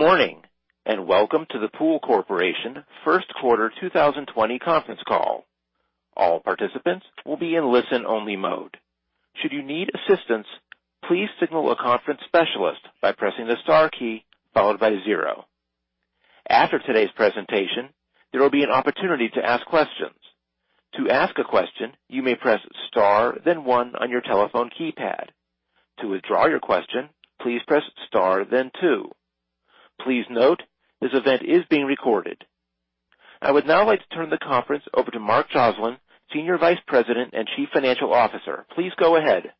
Good morning, welcome to the Pool Corporation First Quarter 2020 conference call. All participants will be in listen only mode. Should you need assistance, please signal a conference specialist by pressing the star key followed by zero. After today's presentation, there will be an opportunity to ask questions. To ask a question, you may press star then one on your telephone keypad. To withdraw your question, please press star then two. Please note, this event is being recorded. I would now like to turn the conference over to Mark Joslin, Senior Vice President and Chief Financial Officer. Please go ahead.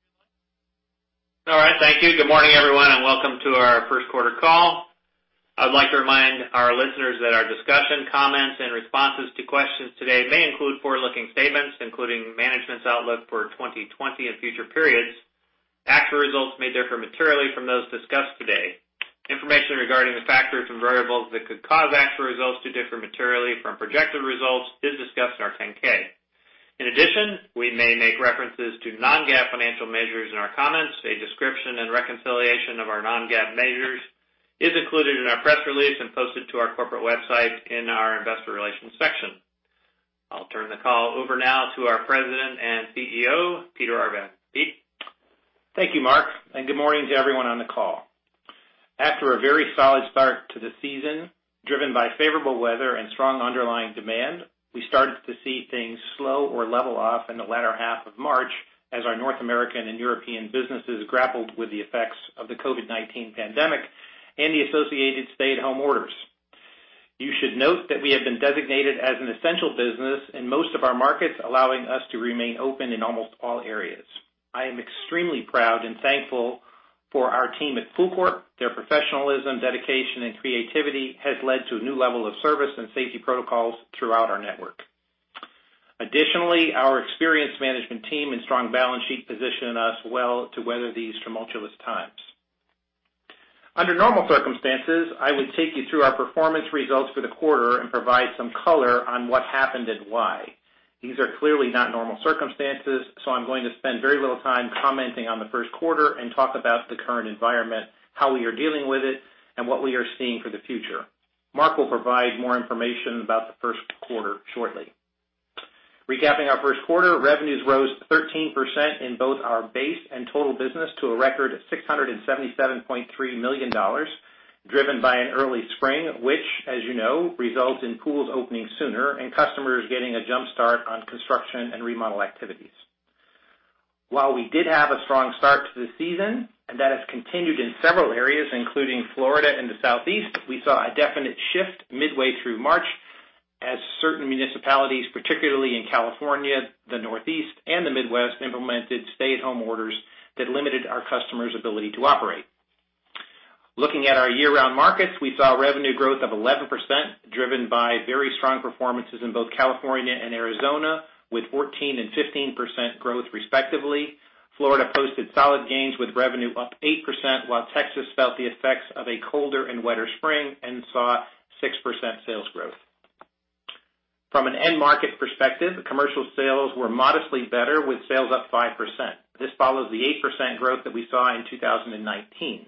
All right. Thank you. Good morning, everyone, and welcome to our first quarter call. I'd like to remind our listeners that our discussion, comments, and responses to questions today may include forward-looking statements, including management's outlook for 2020 and future periods. Actual results may differ materially from those discussed today. Information regarding the factors and variables that could cause actual results to differ materially from projected results is discussed in our 10-K. In addition, we may make references to non-GAAP financial measures in our comments. A description and reconciliation of our non-GAAP measures is included in our press release and posted to our corporate website in our investor relations section. I'll turn the call over now to our President and CEO, Peter Arvan. Pete? Thank you, Mark. Good morning to everyone on the call. After a very solid start to the season, driven by favorable weather and strong underlying demand, we started to see things slow or level off in the latter half of March as our North American and European businesses grappled with the effects of the COVID-19 pandemic and the associated stay-at-home orders. You should note that we have been designated as an essential business in most of our markets, allowing us to remain open in almost all areas. I am extremely proud and thankful for our team at PoolCorp. Their professionalism, dedication, and creativity has led to a new level of service and safety protocols throughout our network. Our experienced management team and strong balance sheet position us well to weather these tumultuous times. Under normal circumstances, I would take you through our performance results for the quarter and provide some color on what happened and why. These are clearly not normal circumstances, so I'm going to spend very little time commenting on the first quarter and talk about the current environment, how we are dealing with it, and what we are seeing for the future. Mark will provide more information about the first quarter shortly. Recapping our first quarter, revenues rose 13% in both our base and total business to a record $677.3 million, driven by an early spring, which, as you know, results in pools opening sooner and customers getting a jumpstart on construction and remodel activities. While we did have a strong start to the season, and that has continued in several areas, including Florida and the Southeast, we saw a definite shift midway through March as certain municipalities, particularly in California, the Northeast, and the Midwest, implemented stay-at-home orders that limited our customers' ability to operate. Looking at our year-round markets, we saw revenue growth of 11%, driven by very strong performances in both California and Arizona, with 14% and 15% growth respectively. Florida posted solid gains with revenue up 8%, while Texas felt the effects of a colder and wetter spring and saw 6% sales growth. From an end-market perspective, commercial sales were modestly better with sales up 5%. This follows the 8% growth that we saw in 2019.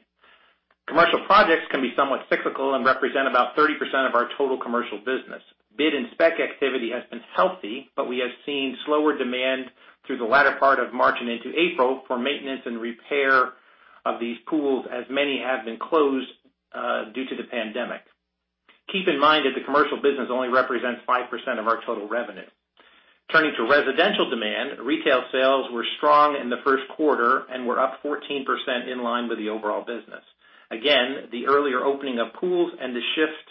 Commercial projects can be somewhat cyclical and represent about 30% of our total commercial business. Bid and spec activity has been healthy. We have seen slower demand through the latter part of March and into April for maintenance and repair of these pools, as many have been closed due to the pandemic. Keep in mind that the commercial business only represents 5% of our total revenue. Turning to residential demand, retail sales were strong in the first quarter and were up 14% in line with the overall business. The earlier opening of pools and the shift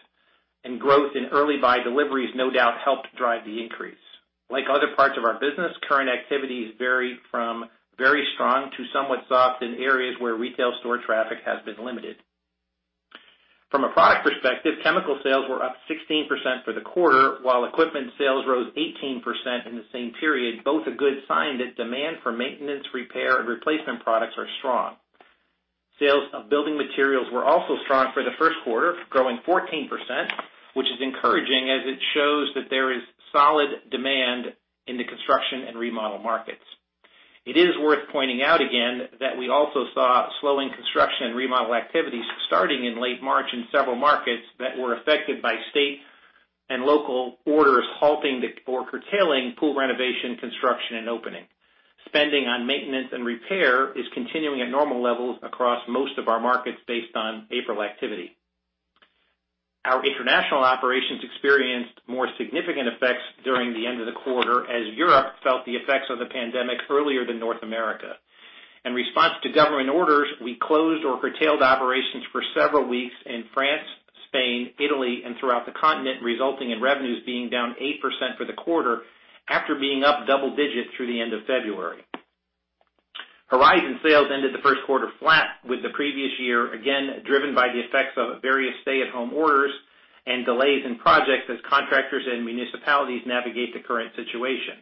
in growth in early buy deliveries no doubt helped drive the increase. Like other parts of our business, current activities vary from very strong to somewhat soft in areas where retail store traffic has been limited. From a product perspective, chemical sales were up 16% for the quarter, while equipment sales rose 18% in the same period, both a good sign that demand for maintenance, repair, and replacement products are strong. Sales of building materials were also strong for the first quarter, growing 14%, which is encouraging as it shows that there is solid demand in the construction and remodel markets. It is worth pointing out again that we also saw slowing construction and remodel activities starting in late March in several markets that were affected by state and local orders halting or curtailing pool renovation, construction, and opening. Spending on maintenance and repair is continuing at normal levels across most of our markets based on April activity. Our international operations experienced more significant effects during the end of the quarter as Europe felt the effects of the pandemic earlier than North America. In response to government orders, we closed or curtailed operations for several weeks in France, Spain, Italy, and throughout the continent, resulting in revenues being down 8% for the quarter after being up double digits through the end of February. Horizon sales ended the first quarter flat with the previous year, again, driven by the effects of various stay-at-home orders and delays in projects as contractors and municipalities navigate the current situation.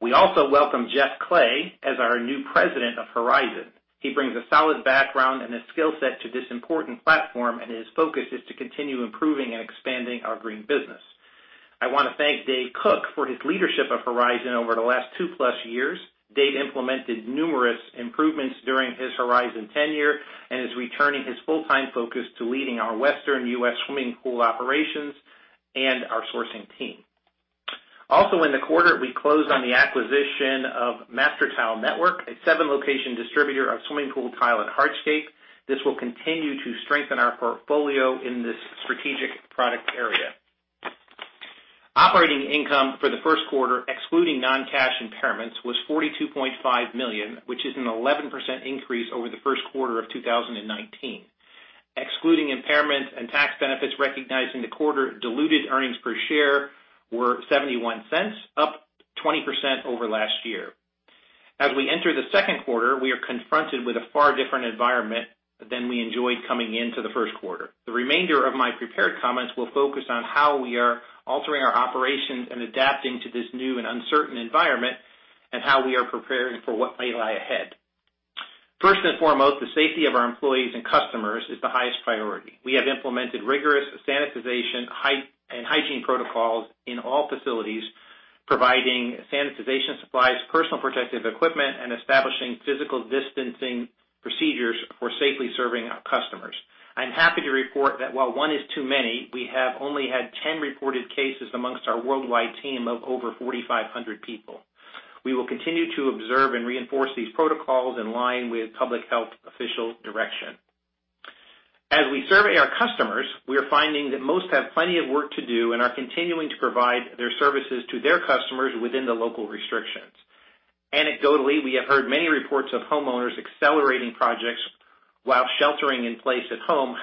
We also welcome Jeff Clay as our new president of Horizon. He brings a solid background and a skill set to this important platform, and his focus is to continue improving and expanding our green business. I want to thank Dave Cook for his leadership of Horizon over the last two-plus years. Dave implemented numerous improvements during his Horizon tenure and is returning his full-time focus to leading our Western U.S. swimming pool operations and our sourcing team. In the quarter, we closed on the acquisition of Master Tile Network, a 7-location distributor of swimming pool tile and hardscape. This will continue to strengthen our portfolio in this strategic product area. Operating income for the first quarter, excluding non-cash impairments, was $42.5 million, which is an 11% increase over the first quarter of 2019. Excluding impairments and tax benefits recognized in the quarter, diluted earnings per share were $0.71, up 20% over last year. As we enter the second quarter, we are confronted with a far different environment than we enjoyed coming into the first quarter. The remainder of my prepared comments will focus on how we are altering our operations and adapting to this new and uncertain environment, and how we are preparing for what may lie ahead. First and foremost, the safety of our employees and customers is the highest priority. We have implemented rigorous sanitization and hygiene protocols in all facilities, providing sanitization supplies, personal protective equipment, and establishing physical distancing procedures for safely serving our customers. I'm happy to report that while one is too many, we have only had 10 reported cases amongst our worldwide team of over 4,500 people. We will continue to observe and reinforce these protocols in line with public health official direction. As we survey our customers, we are finding that most have plenty of work to do and are continuing to provide their services to their customers within the local restrictions. Anecdotally, we have heard many reports of homeowners accelerating projects while sheltering in place at home.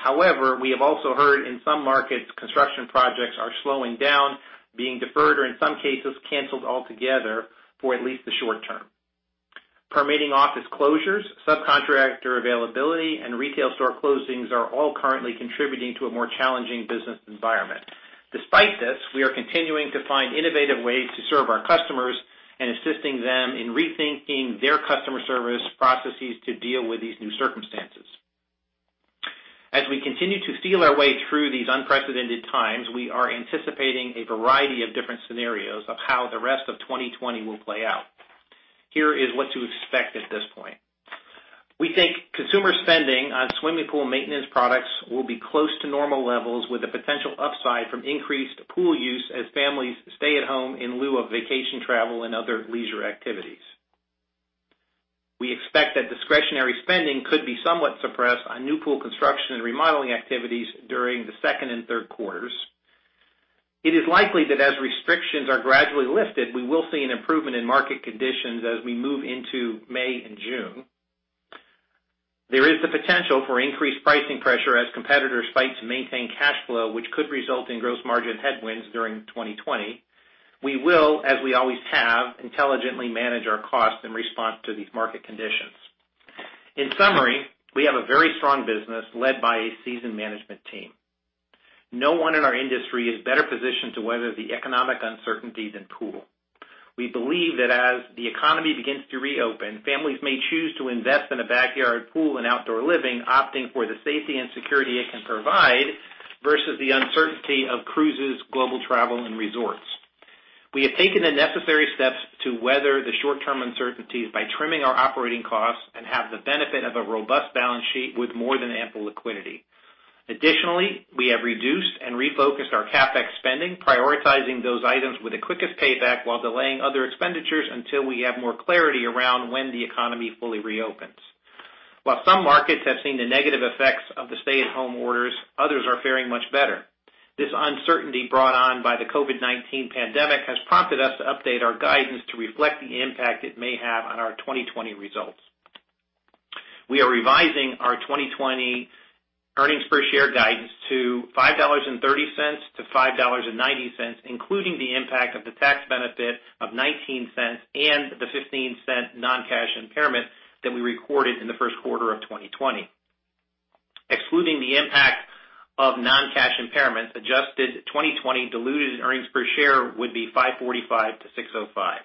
We have also heard in some markets, construction projects are slowing down, being deferred, or in some cases, canceled altogether for at least the short term. Permitting office closures, subcontractor availability, and retail store closings are all currently contributing to a more challenging business environment. Despite this, we are continuing to find innovative ways to serve our customers and assisting them in rethinking their customer service processes to deal with these new circumstances. As we continue to feel our way through these unprecedented times, we are anticipating a variety of different scenarios of how the rest of 2020 will play out. Here is what to expect at this point. We think consumer spending on swimming pool maintenance products will be close to normal levels, with a potential upside from increased pool use as families stay at home in lieu of vacation travel and other leisure activities. We expect that discretionary spending could be somewhat suppressed on new pool construction and remodeling activities during the second and third quarters. It is likely that as restrictions are gradually lifted, we will see an improvement in market conditions as we move into May and June. There is the potential for increased pricing pressure as competitors fight to maintain cash flow, which could result in gross margin headwinds during 2020. We will, as we always have, intelligently manage our costs in response to these market conditions. In summary, we have a very strong business led by a seasoned management team. No one in our industry is better positioned to weather the economic uncertainties than Pool. We believe that as the economy begins to reopen, families may choose to invest in a backyard pool and outdoor living, opting for the safety and security it can provide versus the uncertainty of cruises, global travel, and resorts. We have taken the necessary steps to weather the short-term uncertainties by trimming our operating costs and have the benefit of a robust balance sheet with more than ample liquidity. Additionally, we have reduced and refocused our CapEx spending, prioritizing those items with the quickest payback while delaying other expenditures until we have more clarity around when the economy fully reopens. While some markets have seen the negative effects of the stay-at-home orders, others are faring much better. This uncertainty brought on by the COVID-19 pandemic has prompted us to update our guidance to reflect the impact it may have on our 2020 results. We are revising our 2020 earnings per share guidance to $5.30-$5.90, including the impact of the tax benefit of $0.19 and the $0.15 non-cash impairment that we recorded in the first quarter of 2020. Excluding the impact of non-cash impairments, adjusted 2020 diluted earnings per share would be $5.45 to $6.05.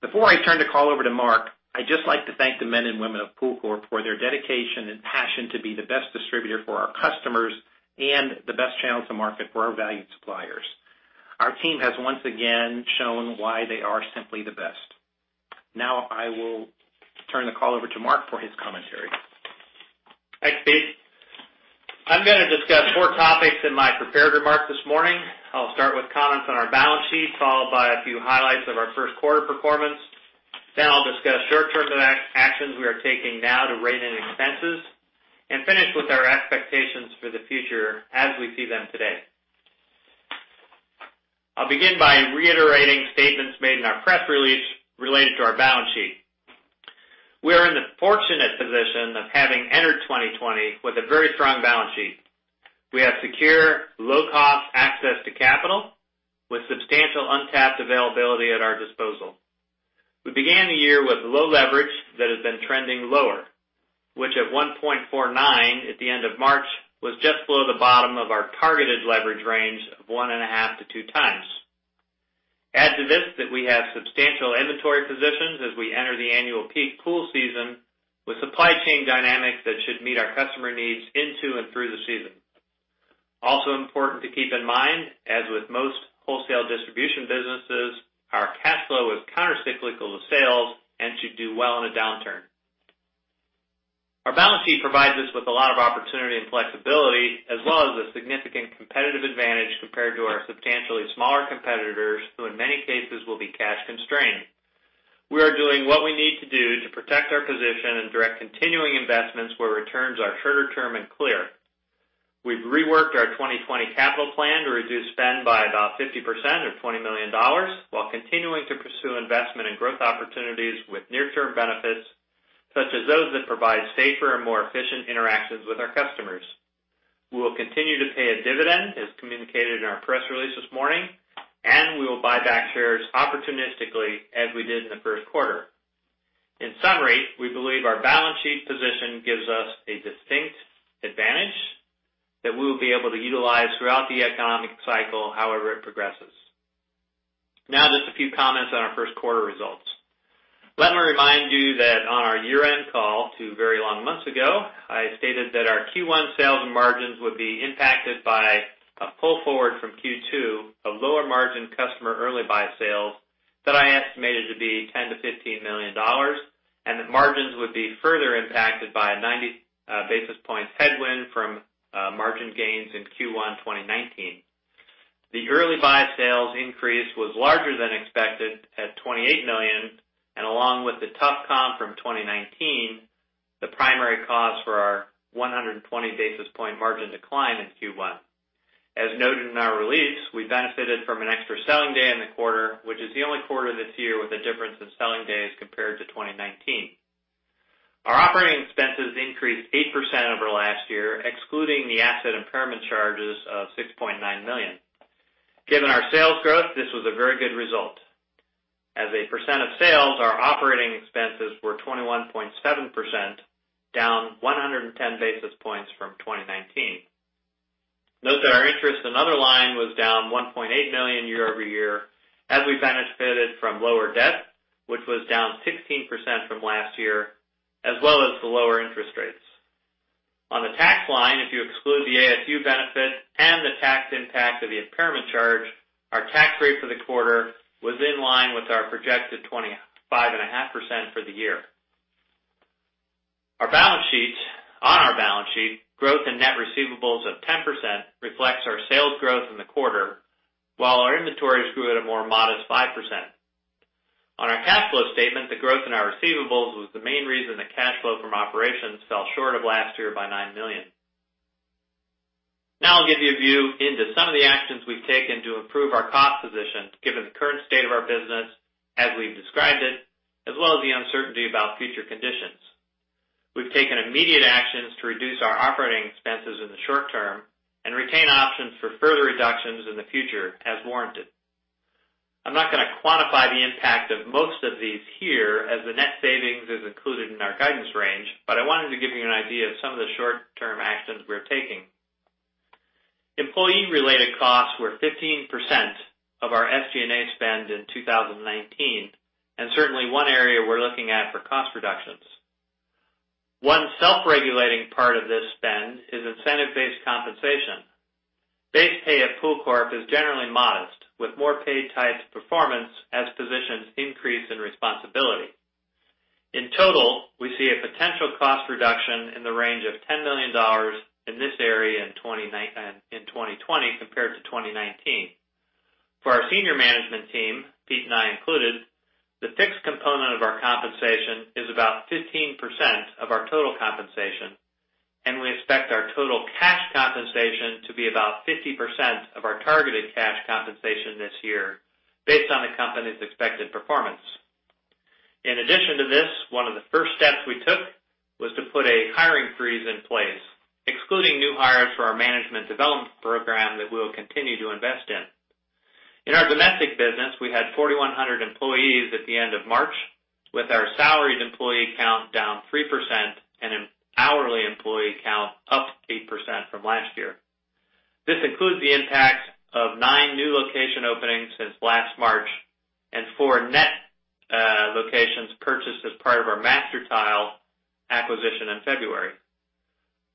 Before I turn the call over to Mark, I'd just like to thank the men and women of PoolCorp for their dedication and passion to be the best distributor for our customers and the best channel to market for our valued suppliers. Our team has once again shown why they are simply the best. Now, I will turn the call over to Mark for his commentary. Thanks Pete. I'm going to discuss four topics in my prepared remarks this morning. I'll start with comments on our balance sheet, followed by a few highlights of our first quarter performance. I'll discuss short-term actions we are taking now to rein in expenses, and finish with our expectations for the future as we see them today. I'll begin by reiterating statements made in our press release related to our balance sheet. We are in the fortunate position of having entered 2020 with a very strong balance sheet. We have secure, low-cost access to capital with substantial untapped availability at our disposal. We began the year with low leverage that has been trending lower, which at 1.49 at the end of March, was just below the bottom of our targeted leverage range of 1.5x-2x times. Add to this that we have substantial inventory positions as we enter the annual peak pool season with supply chain dynamics that should meet our customer needs into and through the season. Also important to keep in mind, as with most wholesale distribution businesses, our cash flow is countercyclical to sales and should do well in a downturn. Our balance sheet provides us with a lot of opportunity and flexibility, as well as a significant competitive advantage compared to our substantially smaller competitors, who in many cases will be cash constrained. We are doing what we need to do to protect our position and direct continuing investments where returns are shorter term and clear. We've reworked our 2020 capital plan to reduce spend by about 50% or $20 million, while continuing to pursue investment in growth opportunities with near-term benefits, such as those that provide safer and more efficient interactions with our customers. We will continue to pay a dividend, as communicated in our press release this morning, and we will buy back shares opportunistically as we did in the first quarter. In summary, we believe our balance sheet position gives us a distinct advantage that we will be able to utilize throughout the economic cycle, however it progresses. Now just a few comments on our first quarter results. Let me remind you that on our year-end call two very long months ago, I stated that our Q1 sales and margins would be impacted by a pull forward from Q2 of lower margin customer early buy sales that I estimated to be $10 million-$15 million, and that margins would be further impacted by a 90 basis points headwind from margin gains in Q1 2019. The early buy sales increase was larger than expected at $28 million, and along with the tough comp from 2019, the primary cause for our 120 basis point margin decline in Q1. As noted in our release, we benefited from an extra selling day in the quarter, which is the only quarter this year with a difference in selling days compared to 2019. Our operating expenses increased 8% over last year, excluding the asset impairment charges of $6.9 million. Given our sales growth, this was a very good result. As a percent of sales, our operating expenses were 21.7%, down 110 basis points from 2019. Note that our interest and other line was down $1.8 million year-over-year, as we benefited from lower debt, which was down 16% from last year, as well as the lower interest rates. On the tax line, if you exclude the ASU benefit and the tax impact of the impairment charge, our tax rate for the quarter was in line with our projected 25.5% for the year. On our balance sheet, growth in net receivables of 10% reflects our sales growth in the quarter, while our inventories grew at a more modest 5%. On our cash flow statement, the growth in our receivables was the main reason the cash flow from operations fell short of last year by $9 million. Now I'll give you a view into some of the actions we've taken to improve our cost position, given the current state of our business as we've described it, as well as the uncertainty about future conditions. We've taken immediate actions to reduce our operating expenses in the short term and retain options for further reductions in the future as warranted. I'm not going to quantify the impact of most of these here, as the net savings is included in our guidance range, but I wanted to give you an idea of some of the short-term actions we're taking. Employee-related costs were 15% of our SG&A spend in 2019, certainly one area we're looking at for cost reductions. One self-regulating part of this spend is incentive-based compensation. Base pay at PoolCorp is generally modest, with more pay tied to performance as positions increase in responsibility. In total, we see a potential cost reduction in the range of $10 million in this area in 2020 compared to 2019. For our senior management team, Pete and I included, the fixed component of our compensation is about 15% of our total compensation, and we expect our total cash compensation to be about 50% of our targeted cash compensation this year based on the company's expected performance. In addition to this, one of the first steps we took was to put a hiring freeze in place, excluding new hires for our Management Development Program that we will continue to invest in. In our domestic business, we had 4,100 employees at the end of March, with our salaried employee count down 3% and an hourly employee count up 8% from last year. This includes the impact of nine new location openings since last March and four net locations purchased as part of our Master Tile Acquisition in February.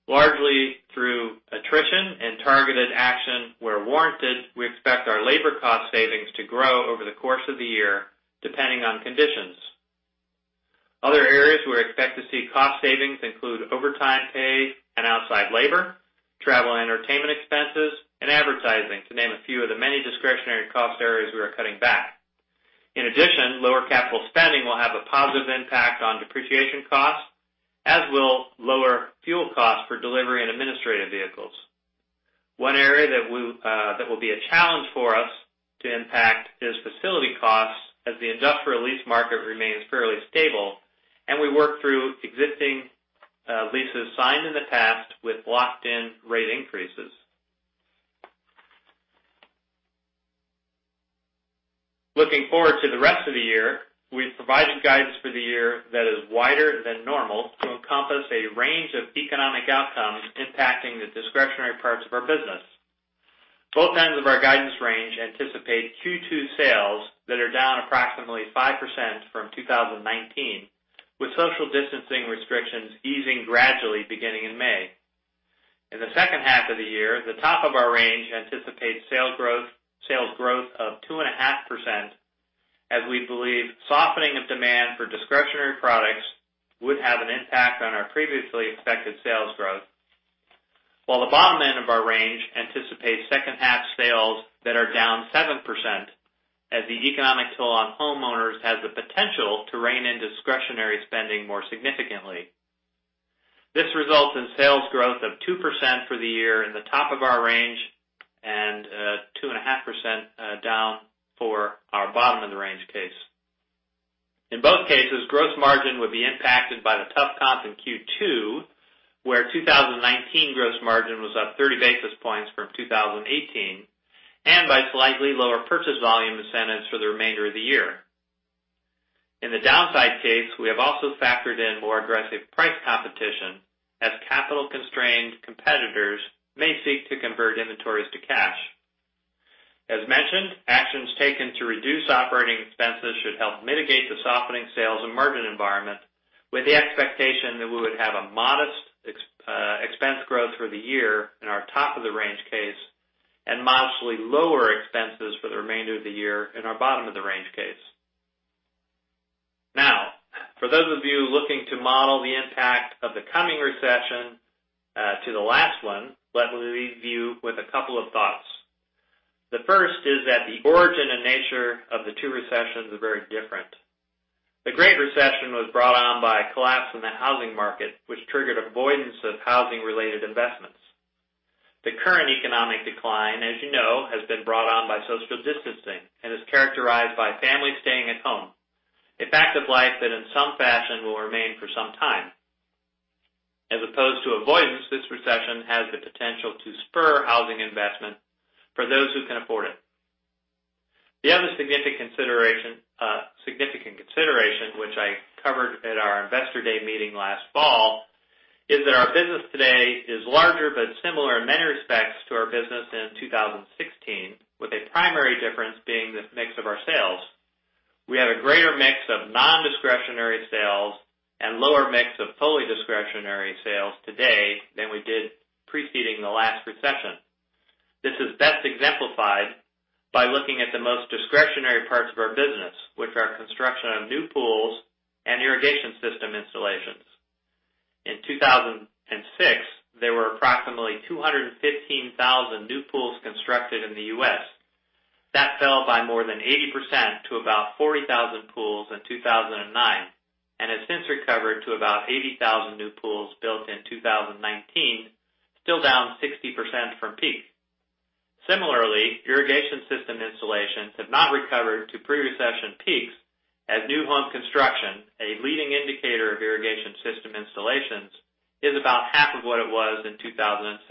Largely through attrition and targeted action where warranted, we expect our labor cost savings to grow over the course of the year, depending on conditions. Other areas we expect to see cost savings include overtime pay and outside labor, travel and entertainment expenses, and advertising, to name a few of the many discretionary cost areas we are cutting back. In addition, lower capital spending will have a positive impact on depreciation costs, as will lower fuel costs for delivery and administrative vehicles. One area that will be a challenge for us to impact is facility costs, as the industrial lease market remains fairly stable and we work through existing leases signed in the past with locked-in rate increases. Looking forward to the rest of the year, we've provided guidance for the year that is wider than normal to encompass a range of economic outcomes impacting the discretionary parts of our business. Both ends of our guidance range anticipate Q2 sales that are down approximately 5% from 2019, with social distancing restrictions easing gradually beginning in May. In the second half of the year, the top of our range anticipates sales growth of 2.5% as we believe softening of demand for discretionary products would have an impact on our previously expected sales growth. While the bottom end of our range anticipates second half sales that are down 7%, as the economic toll on homeowners has the potential to rein in discretionary spending more significantly. This results in sales growth of 2% for the year in the top of our range and 2.5% down for our bottom of the range case. In both cases, gross margin would be impacted by the tough comp in Q2, where 2019 gross margin was up 30 basis points from 2018, and by slightly lower purchase volume incentives for the remainder of the year. In the downside case, we have also factored in more aggressive price competition as capital-constrained competitors may seek to convert inventories to cash. As mentioned, actions taken to reduce operating expenses should help mitigate the softening sales and margin environment with the expectation that we would have a modest expense growth for the year in our top-of-the-range case and modestly lower expenses for the remainder of the year in our bottom-of-the-range case. For those of you looking to model the impact of the coming recession to the last one, let me leave you with a couple of thoughts. The first is that the origin and nature of the two recessions are very different. The Great Recession was brought on by a collapse in the housing market, which triggered avoidance of housing-related investments. The current economic decline, as you know, has been brought on by social distancing and is characterized by families staying at home, a fact of life that in some fashion will remain for some time. As opposed to avoidance, this recession has the potential to spur housing investment for those who can afford it. The other significant consideration, which I covered at our investor day meeting last fall, is that our business today is larger but similar in many respects to our business in 2016, with a primary difference being this mix of our sales. We have a greater mix of non-discretionary sales and lower mix of fully discretionary sales today than we did preceding the last recession. This is best exemplified by looking at the most discretionary parts of our business, which are construction of new pools and irrigation system installations. In 2006, there were approximately 215,000 new pools constructed in the U.S. That fell by more than 80% to about 40,000 pools in 2009, and has since recovered to about 80,000 new pools built in 2019, still down 60% from peak. Similarly, irrigation system installations have not recovered to pre-recession peaks as new home construction, a leading indicator of irrigation system installations, is about half of what it was in 2006.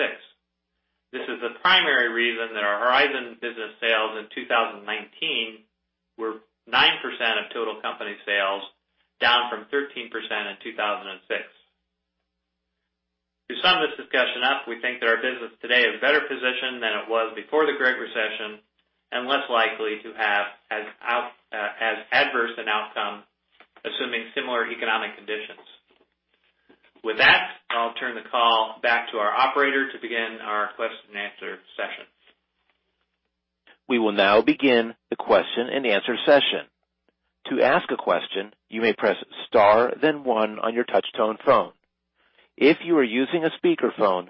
This is the primary reason that our Horizon business sales in 2019 were 9% of total company sales, down from 13% in 2006. To sum this discussion up, we think that our business today is better positioned than it was before the Great Recession and less likely to have as adverse an outcome, assuming similar economic conditions. With that, I'll turn the call back to our operator to begin our question and answer session. We will now begin the question and answer session. To ask a question, you may press star then one on your touch tone phone. If you are using a speakerphone,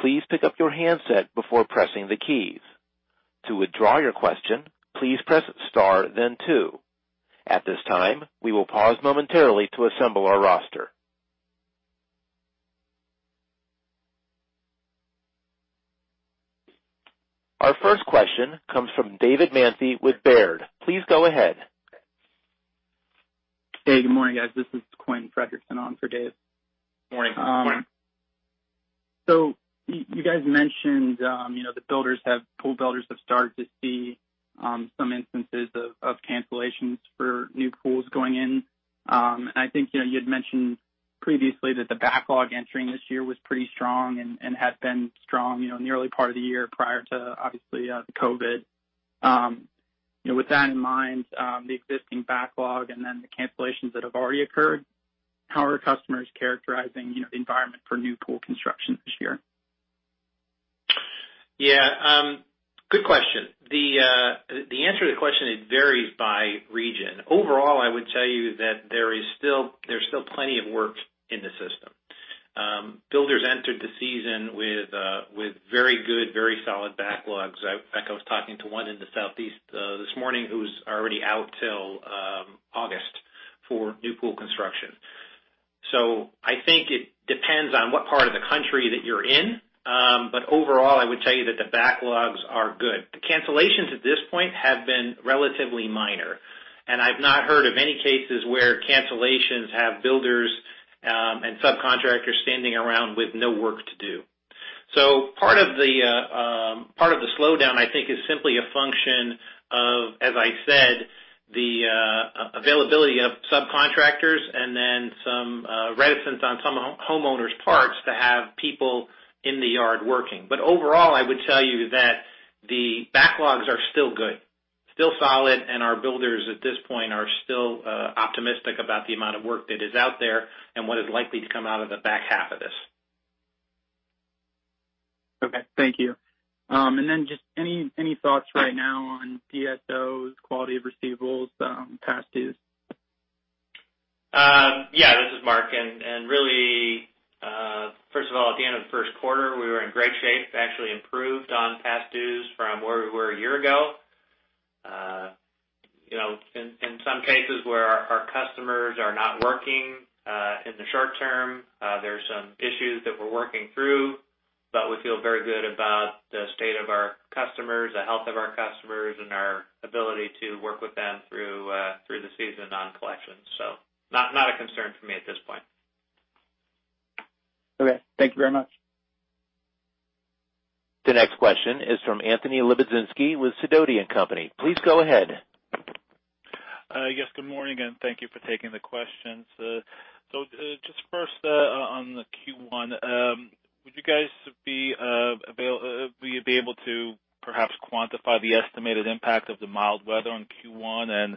please pick up your handset before pressing the keys. To withdraw your question, please press star then two. At this time, we will pause momentarily to assemble our roster. Our first question comes from David Manthey with Baird. Please go ahead. Hey, good morning, guys. This is Quinn Fredrickson on for Dave. Morning, Quinn. You guys mentioned pool builders have started to see some instances of cancellations for new pools going in. I think you had mentioned previously that the backlog entering this year was pretty strong and had been strong in the early part of the year prior to, obviously, the COVID. With that in mind, the existing backlog and then the cancellations that have already occurred, how are customers characterizing the environment for new pool construction this year? Yeah. Good question. The answer to the question, it varies by region. Overall, I would tell you that there's still plenty of work in the system. Builders entered the season with very good, very solid backlogs. In fact, I was talking to one in the Southeast this morning who's already out till August for new pool construction. I think it depends on what part of the country that you're in. Overall, I would tell you that the backlogs are good. The cancellations at this point have been relatively minor, and I've not heard of any cases where cancellations have builders and subcontractors standing around with no work to do. Part of the slowdown, I think, is simply a function of, as I said, the availability of subcontractors and then some reticence on some homeowners' parts to have people in the yard working. Overall, I would tell you that the backlogs are still good, still solid, and our builders at this point are still optimistic about the amount of work that is out there and what is likely to come out of the back half of this. Okay. Thank you. Just any thoughts right now on DSOs, quality of receivables, past dues? This is Mark. Really, first of all, at the end of the first quarter, we were in great shape. Actually improved on past dues from where we were a year ago. In some cases where our customers are not working, in the short term, there's some issues that we're working through. We feel very good about the state of our customers, the health of our customers, and our ability to work with them through the season on collections. Not a concern for me at this point. Okay. Thank you very much. The next question is from Anthony Lebiedzinski with Sidoti & Company. Please go ahead. Yes. Good morning, thank you for taking the questions. Just first, on the Q1, would you guys be able to perhaps quantify the estimated impact of the mild weather on Q1?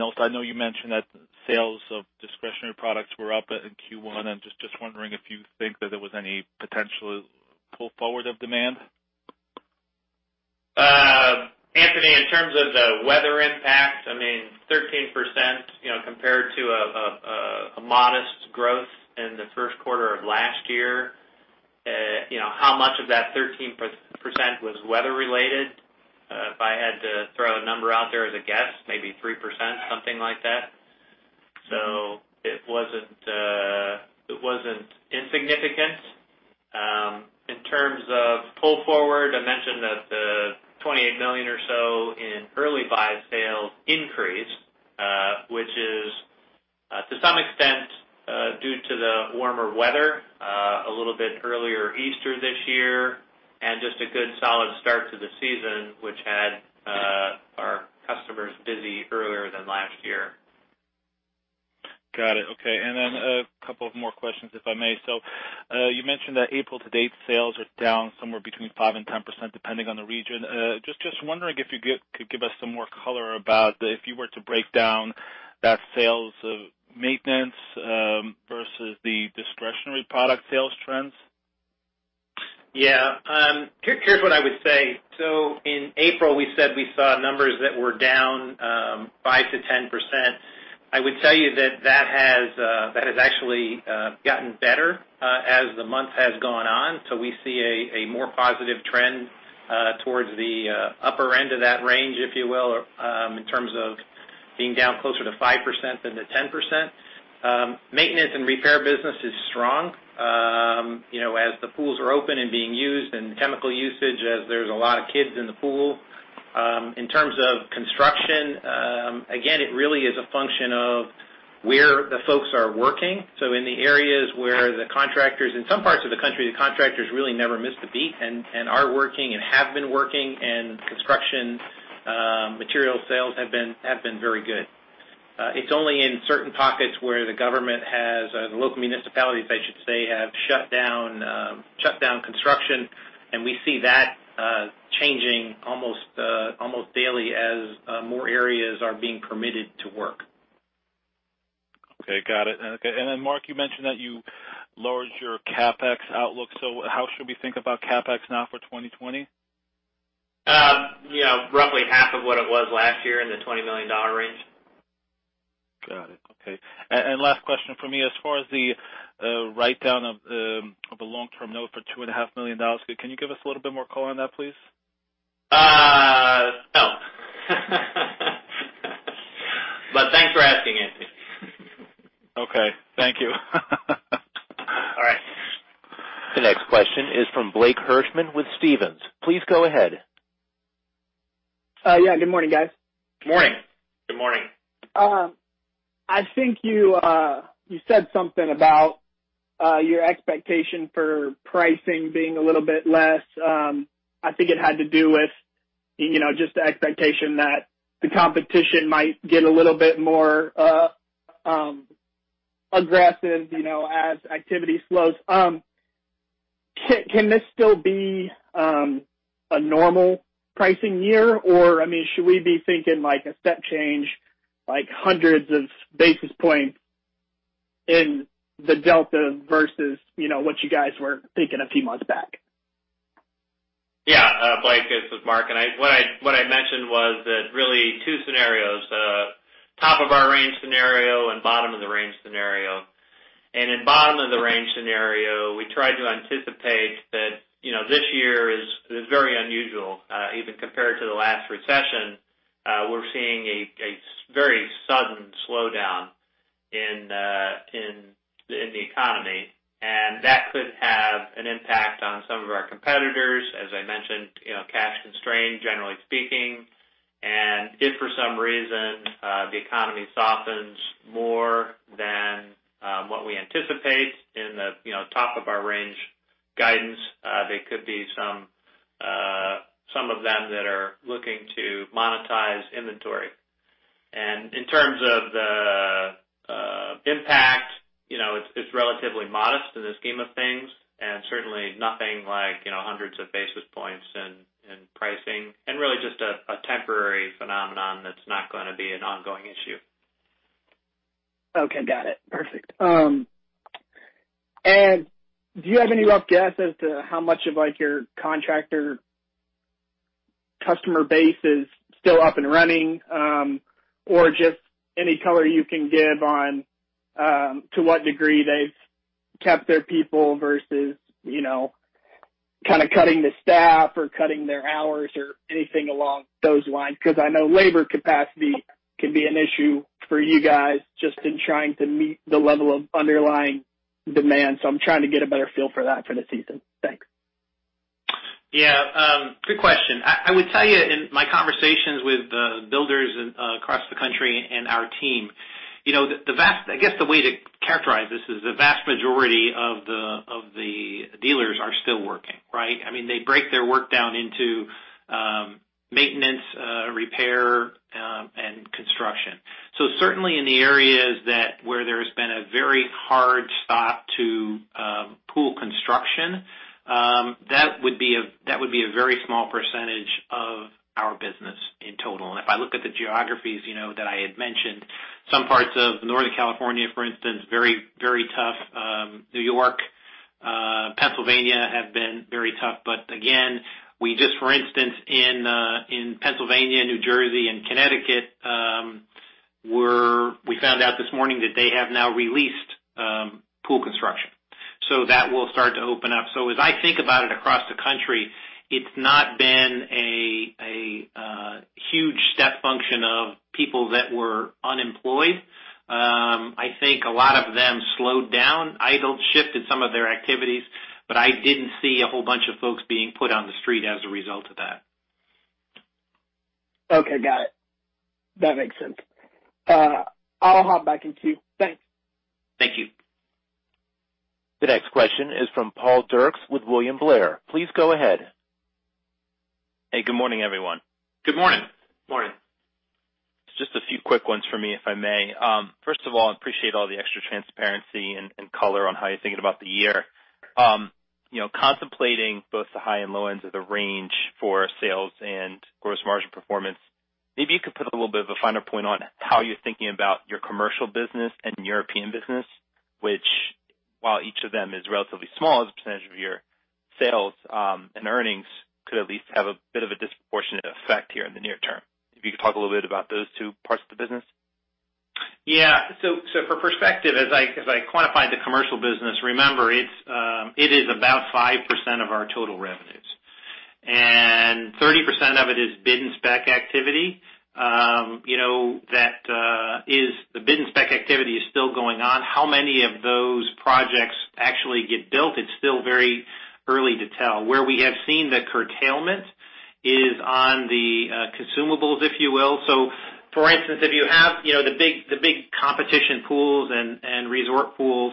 Also, I know you mentioned that sales of discretionary products were up in Q1. I'm just wondering if you think that there was any potential pull forward of demand. Anthony, in terms of the weather impact, 13%, compared to a modest growth in the first quarter of last year. How much of that 13% was weather-related? If I had to throw a number out there as a guess, maybe 3%, something like that. It wasn't insignificant. In terms of pull forward, I mentioned that the $28 million or so in early buy sales increase, which is, to some extent, due to the warmer weather, a little bit earlier Easter this year, and just a good solid start to the season, which had our customers busy earlier than last year. Got it. Okay. A couple of more questions, if I may. You mentioned that April to date sales are down somewhere between 5%-10%, depending on the region. Just wondering if you could give us some more color about if you were to break down that sales of maintenance versus the discretionary product sales trends? Yeah. Here's what I would say. In April, we said we saw numbers that were down 5%-10%. I would tell you that has actually gotten better as the month has gone on. We see a more positive trend towards the upper end of that range, if you will, in terms of being down closer to 5% than to 10%. Maintenance and repair business is strong as the pools are open and being used, and chemical usage, as there's a lot of kids in the pool. In terms of construction, again, it really is a function of where the folks are working. In the areas where the contractors, in some parts of the country, the contractors really never missed a beat and are working and have been working, and construction material sales have been very good. It's only in certain pockets where the government has, the local municipalities, I should say, have shut down construction, and we see that changing almost daily as more areas are being permitted to work. Okay, got it. Okay. Mark, you mentioned that you lowered your CapEx outlook. How should we think about CapEx now for 2020? Roughly half of what it was last year, in the $20 million range. Got it. Okay. Last question from me. As far as the write-down of the long-term note for $2.5 million, can you give us a little bit more color on that, please? No. Thanks for asking, Anthony. Okay. Thank you. All right. The next question is from Blake Hirschman with Stephens. Please go ahead. Yeah. Good morning, guys. Morning. Good morning. I think you said something about your expectation for pricing being a little bit less. I think it had to do with just the expectation that the competition might get a little bit more aggressive as activity slows. Can this still be a normal pricing year? Should we be thinking like a step change, like hundreds of basis points in the delta versus what you guys were thinking a few months back? Yeah. Blake, this is Mark. What I mentioned was that really two scenarios. Top of our range scenario and bottom of the range scenario. In bottom of the range scenario, we try to anticipate that this year is very unusual. Even compared to the last recession, we're seeing a very sudden slowdown in the economy, and that could have an impact on some of our competitors. As I mentioned, cash constrained, generally speaking. If for some reason, the economy softens more than what we anticipate in the top of our range guidance, there could be some. Some of them that are looking to monetize inventory. In terms of the impact, it's relatively modest in the scheme of things, and certainly nothing like hundreds of basis points in pricing, and really just a temporary phenomenon that's not going to be an ongoing issue. Okay. Got it. Perfect. Do you have any rough guess as to how much of your contractor customer base is still up and running? Just any color you can give on to what degree they've kept their people versus cutting the staff or cutting their hours or anything along those lines, because I know labor capacity can be an issue for you guys just in trying to meet the level of underlying demand. I'm trying to get a better feel for that for the season. Thanks. Yeah. Good question. I would tell you in my conversations with builders across the country and our team, I guess the way to characterize this is the vast majority of the dealers are still working, right? They break their work down into maintenance, repair, and construction. Certainly in the areas where there's been a very hard stop to pool construction, that would be a very small % of our business in total. If I look at the geographies that I had mentioned, some parts of Northern California, for instance, very tough. New York, Pennsylvania have been very tough. Again, we just, for instance, in Pennsylvania, New Jersey, and Connecticut, we found out this morning that they have now released pool construction. That will start to open up. As I think about it across the country, it's not been a huge step function of people that were unemployed. I think a lot of them slowed down, idled, shifted some of their activities, but I didn't see a whole bunch of folks being put on the street as a result of that. Okay. Got it. That makes sense. I'll hop back in queue. Thanks. Thank you. The next question is from Paul Dirks with William Blair. Please go ahead. Hey, good morning, everyone. Good morning. Morning. Just a few quick ones for me, if I may. First of all, I appreciate all the extra transparency and color on how you're thinking about the year. Contemplating both the high and low ends of the range for sales and gross margin performance, maybe you could put a little bit of a finer point on how you're thinking about your commercial business and European business, which while each of them is relatively small as a percentage of your sales and earnings, could at least have a bit of a disproportionate effect here in the near term. If you could talk a little bit about those two parts of the business? Yeah. For perspective, as I quantify the commercial business, remember, it is about 5% of our total revenues, and 30% of it is bid and spec activity. The bid and spec activity is still going on. How many of those projects actually get built? It is still very early to tell. Where we have seen the curtailment is on the consumables, if you will. For instance, if you have the big competition pools and resort pools,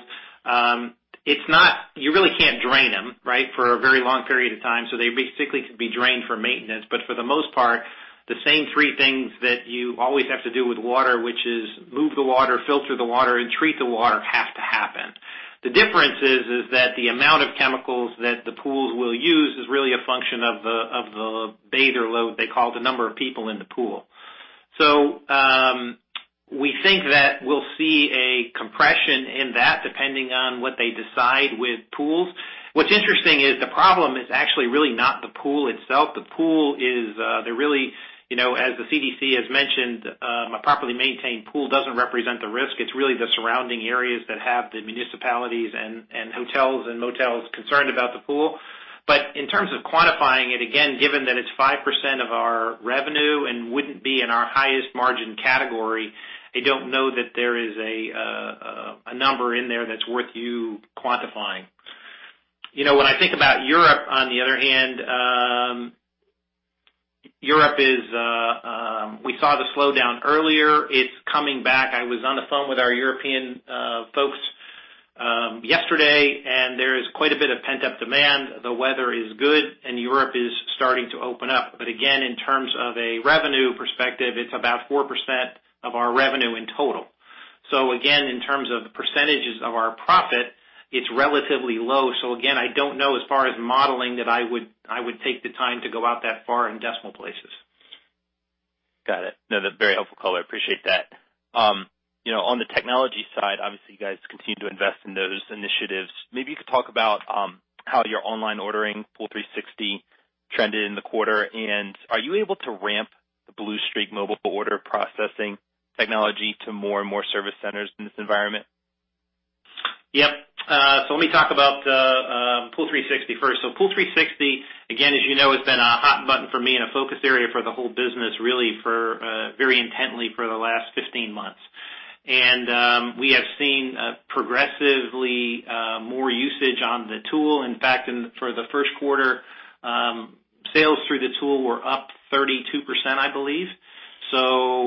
you really can't drain them, right, for a very long period of time. They basically could be drained for maintenance. For the most part, the same three things that you always have to do with water, which is move the water, filter the water, and treat the water, have to happen. The difference is that the amount of chemicals that the pools will use is really a function of the bather load, they call it, the number of people in the pool. We think that we'll see a compression in that depending on what they decide with pools. What's interesting is the problem is actually really not the pool itself. As the CDC has mentioned, a properly maintained pool doesn't represent the risk. It's really the surrounding areas that have the municipalities and hotels and motels concerned about the pool. In terms of quantifying it, again, given that it's 5% of our revenue and wouldn't be in our highest margin category, I don't know that there is a number in there that's worth you quantifying. When I think about Europe, on the other hand, we saw the slowdown earlier. It's coming back. I was on the phone with our European folks yesterday, and there is quite a bit of pent-up demand. The weather is good, and Europe is starting to open up. Again, in terms of a revenue perspective, it's about 4% of our revenue in total. Again, in terms of the percentages of our profit, it's relatively low. Again, I don't know, as far as modeling, that I would take the time to go out that far in decimal places. Got it. No, that's a very helpful color. I appreciate that. On the technology side, obviously, you guys continue to invest in those initiatives. Maybe you could talk about how your online ordering, POOL360, trended in the quarter, and are you able to ramp the Bluestreak mobile order processing technology to more and more service centers in this environment? Yep. Let me talk about POOL360 first. POOL360, again, as you know, has been a hot button for me and a focus area for the whole business really very intently for the last 15 months. We have seen progressively more usage on the tool. In fact, for the first quarter, sales through the tool were up 32%, I believe.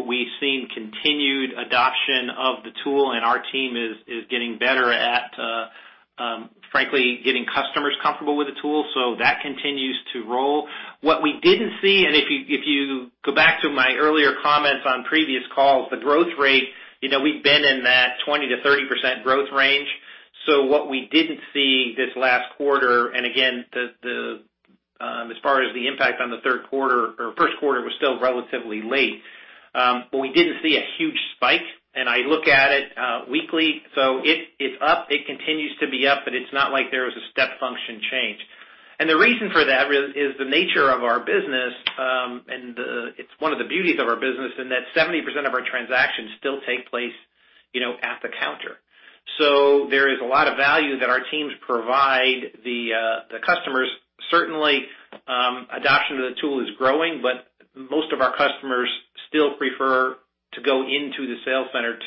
We've seen continued adoption of the tool, and our team is getting better atFrankly, getting customers comfortable with the tool. That continues to roll. What we didn't see, if you go back to my earlier comments on previous calls, the growth rate, we've been in that 20%-30% growth range. What we didn't see this last quarter, and again, as far as the impact on the first quarter, was still relatively late. We didn't see a huge spike, and I look at it weekly. It is up. It continues to be up, but it's not like there was a step function change. The reason for that is the nature of our business. It's one of the beauties of our business, in that 70% of our transactions still take place at the counter. There is a lot of value that our teams provide the customers. Certainly, adoption of the tool is growing, but most of our customers still prefer to go into the sales center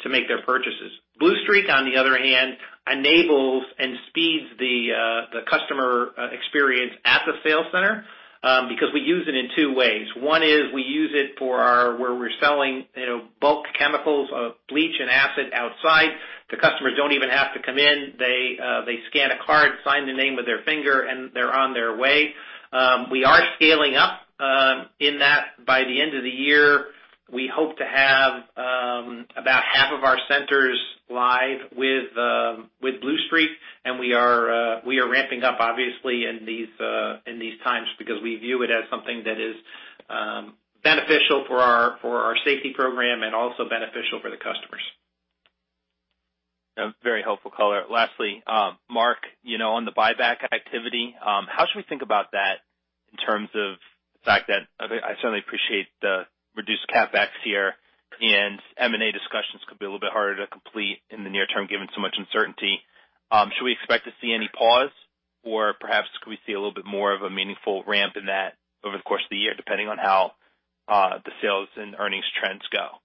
to make their purchases. Bluestreak, on the other hand, enables and speeds the customer experience at the sales center because we use it in two ways. One is we use it for where we're selling bulk chemicals, bleach, and acid outside. The customers don't even have to come in. They scan a card, sign the name with their finger, and they're on their way. We are scaling up in that. By the end of the year, we hope to have about half of our centers live with Bluestreak. We are ramping up, obviously, in these times because we view it as something that is beneficial for our safety program and also beneficial for the customers. Very helpful color. Lastly, Mark, on the buyback activity, how should we think about that in terms of the fact that I certainly appreciate the reduced CapEx here and M&A discussions could be a little bit harder to complete in the near term, given so much uncertainty. Should we expect to see any pause, or perhaps could we see a little bit more of a meaningful ramp in that over the course of the year, depending on how the sales and earnings trends go?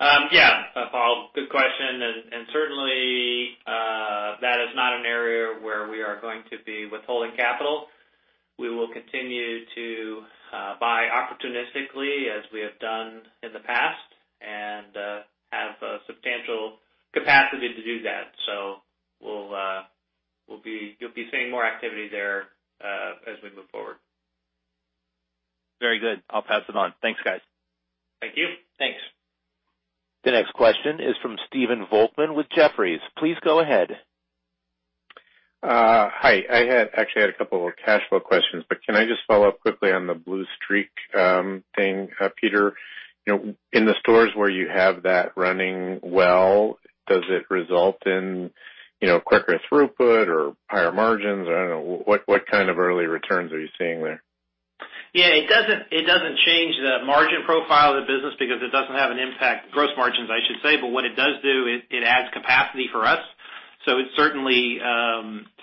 Yeah. Paul, good question, and certainly that is not an area where we are going to be withholding capital. We will continue to buy opportunistically as we have done in the past and have a substantial capacity to do that. You'll be seeing more activity there as we move forward. Very good. I'll pass it on. Thanks, guys. Thank you. Thanks. The next question is from Stephen Volkmann with Jefferies. Please go ahead. Hi. I actually had a couple of cash flow questions, but can I just follow up quickly on the Bluestreak thing? Peter, in the stores where you have that running well, does it result in quicker throughput or higher margins? I don't know. What kind of early returns are you seeing there? It doesn't change the margin profile of the business because it doesn't have an impact, gross margins, I should say. What it does do is it adds capacity for us. It certainly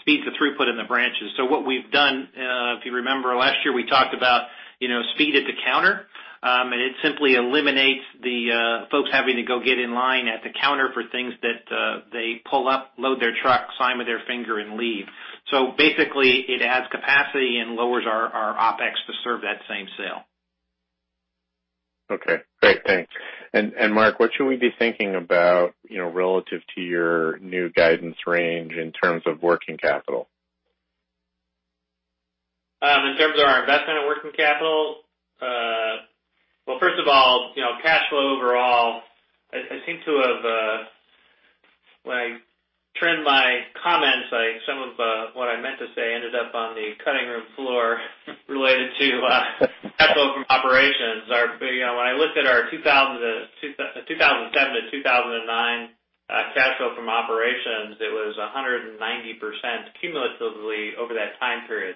speeds the throughput in the branches. What we've done, if you remember last year, we talked about speed at the counter. It simply eliminates the folks having to go get in line at the counter for things that they pull up, load their truck, sign with their finger, and leave. Basically, it adds capacity and lowers our OpEx to serve that same sale. Okay. Great. Thanks. Mark, what should we be thinking about relative to your new guidance range in terms of working capital? In terms of our investment in working capital? Well, first of all, cash flow overall, when I trimmed my comments, some of what I meant to say ended up on the cutting room floor related to cash flow from operations. When I looked at our 2007 to 2009 cash flow from operations, it was 190% cumulatively over that time period.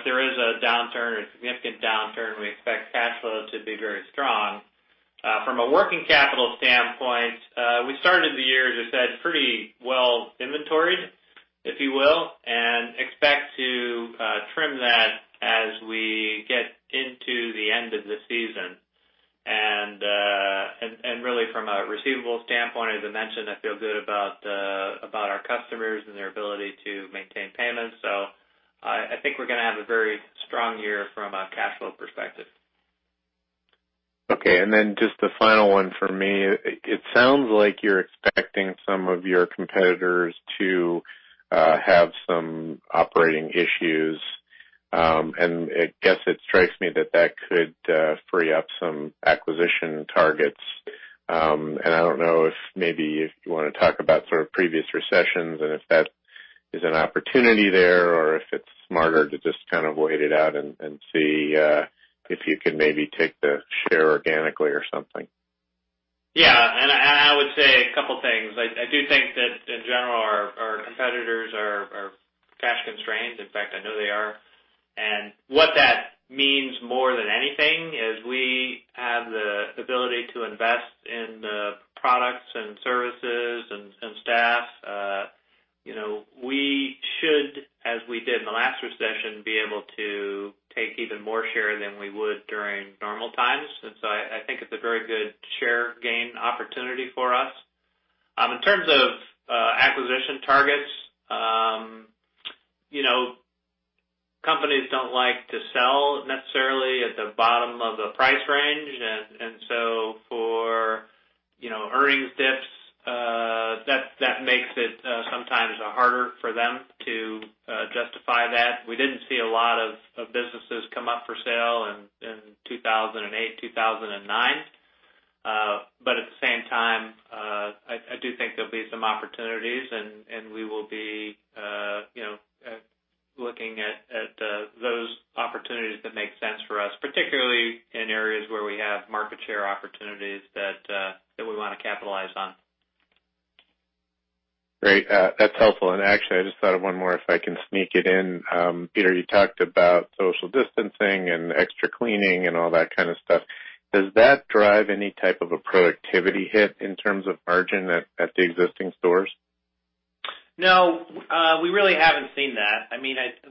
If there is a downturn or significant downturn, we expect cash flow to be very strong. From a working capital standpoint, we started the year, as I said, pretty well inventoried, if you will, and expect to trim that as we get into the end of the season. Really from a receivable standpoint, as I mentioned, I feel good about our customers and their ability to maintain payments. I think we're going to have a very strong year from a cash flow perspective. Okay. Just the final one for me. It sounds like you're expecting some of your competitors to have some operating issues. I guess it strikes me that that could free up some acquisition targets. I don't know if maybe you want to talk about sort of previous recessions and if that is an opportunity there or if it's smarter to just kind of wait it out and see if you can maybe take the share organically or something. Yeah. I would say a couple things. I do think that in general, our competitors are cash constrained. In fact, I know they are. What that means more than anything is we have the ability to invest in the products and services and staff. We should, as we did in the last recession, be able to take even more share than we would during normal times. I think it's a very good share gain opportunity for us. In terms of acquisition targets. For earnings dips, that makes it sometimes harder for them to justify that. We didn't see a lot of businesses come up for sale in 2008, 2009. At the same time, I do think there'll be some opportunities, and we will be looking at those opportunities that make sense for us, particularly in areas where we have market share opportunities that we want to capitalize on. Great. That's helpful. Actually, I just thought of one more if I can sneak it in. Peter, you talked about social distancing and extra cleaning and all that kind of stuff. Does that drive any type of a productivity hit in terms of margin at the existing stores? No. We really haven't seen that.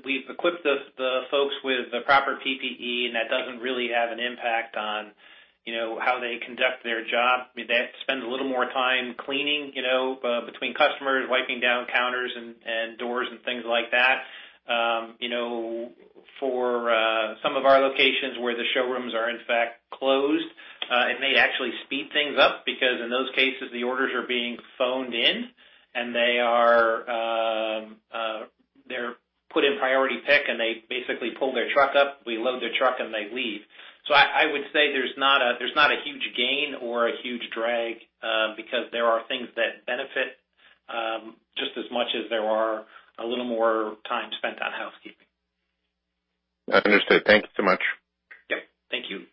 We've equipped the folks with the proper PPE, and that doesn't really have an impact on how they conduct their job. They have to spend a little more time cleaning between customers, wiping down counters and doors and things like that. For some of our locations where the showrooms are, in fact, closed, it may actually speed things up because, in those cases, the orders are being phoned in and they're put in priority pick, and they basically pull their truck up, we load their truck, and they leave. I would say there's not a huge gain or a huge drag because there are things that benefit just as much as there are a little more time spent on housekeeping. Understood. Thank you so much. Yep. Thank you.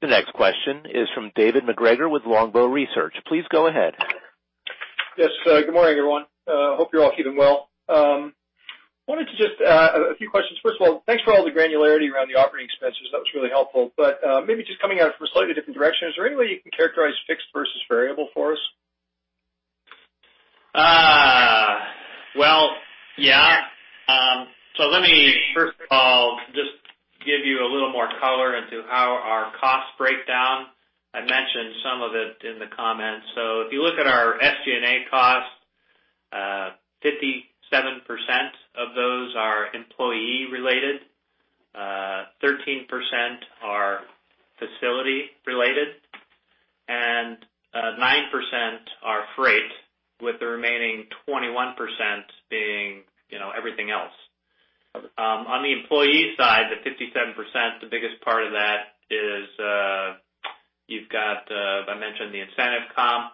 The next question is from David MacGregor with Longbow Research. Please go ahead. Yes. Good morning, everyone. Hope you're all keeping well. I wanted to ask a few questions. First of all, thanks for all the granularity around the operating expenses. That was really helpful. Maybe just coming at it from a slightly different direction, is there any way you can characterize fixed versus variable for us? Yeah. Let me first of all just give you a little more color into how our costs break down. I mentioned some of it in the comments. If you look at our SG&A costs, 57% of those are employee related, 13% are facility related, and 9% are freight, with the remaining 21% being everything else. Okay. On the employee side, the 57%, the biggest part of that is you've got, I mentioned the incentive comp.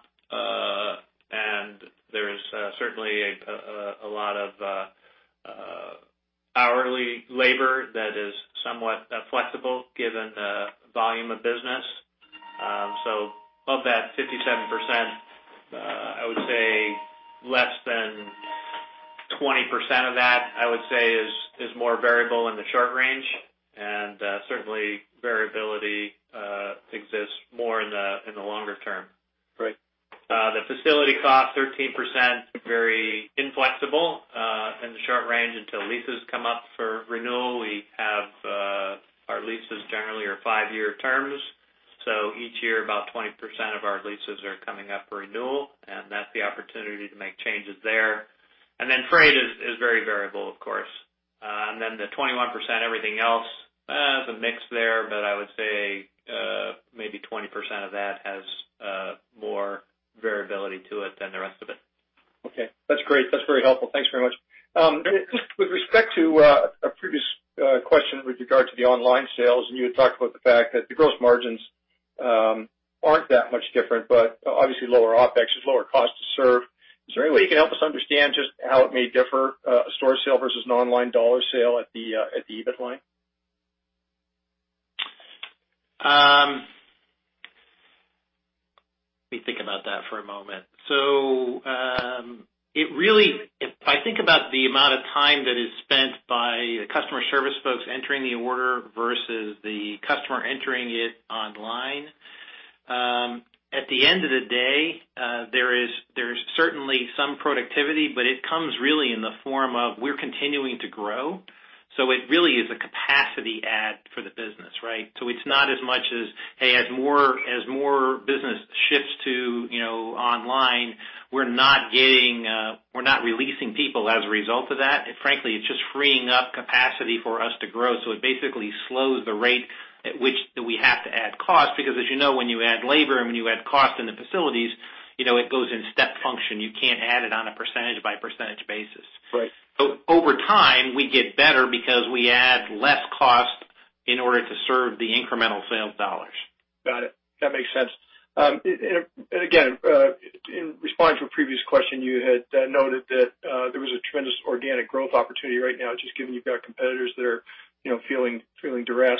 There is certainly a lot of hourly labor that is somewhat flexible given the volume of business. Of that 57%, I would say less than 20% of that, I would say is more variable in the short range. Certainly variability exists more in the longer term. Right. The facility cost, 13%, very inflexible in the short range until leases come up for renewal. Our leases generally are five-year terms. Each year, about 20% of our leases are coming up for renewal, and that's the opportunity to make changes there. Freight is very variable, of course. The 21%, everything else, there's a mix there, but I would say maybe 20% of that has more variability to it than the rest of it. Okay. That's great. That's very helpful. Thanks very much. With respect to a previous question with regard to the online sales, you had talked about the fact that the gross margins aren't that much different, but obviously lower OpEx is lower cost to serve. Is there any way you can help us understand just how it may differ, a store sale versus an online dollar sale at the EBIT line? Let me think about that for a moment. If I think about the amount of time that is spent by the customer service folks entering the order versus the customer entering it online, at the end of the day, there's certainly some productivity, but it comes really in the form of we're continuing to grow. It really is a capacity add for the business, right? It's not as much as, hey, as more business shifts to online, we're not releasing people as a result of that. Frankly, it's just freeing up capacity for us to grow. It basically slows the rate at which that we have to add cost because as you know, when you add labor and when you add cost in the facilities, it goes in step function. You can't add it on a percentage by percentage basis. Right. Over time, we get better because we add less cost in order to serve the incremental sales dollars. Got it. That makes sense. Again, in response to a previous question, you had noted that there was a tremendous organic growth opportunity right now, just given you've got competitors that are feeling duress.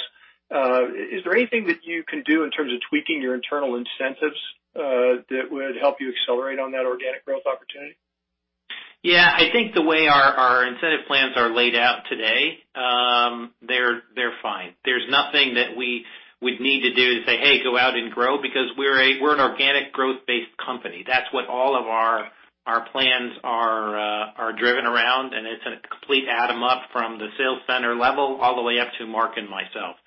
Is there anything that you can do in terms of tweaking your internal incentives that would help you accelerate on that organic growth opportunity? Yeah. I think the way our incentive plans are laid out today, they're fine. There's nothing that we would need to do to say, "Hey, go out and grow," because we're an organic growth-based company. That's what all of our plans are driven around, and it's a complete bottom up from the sales center level all the way up to Mark and myself.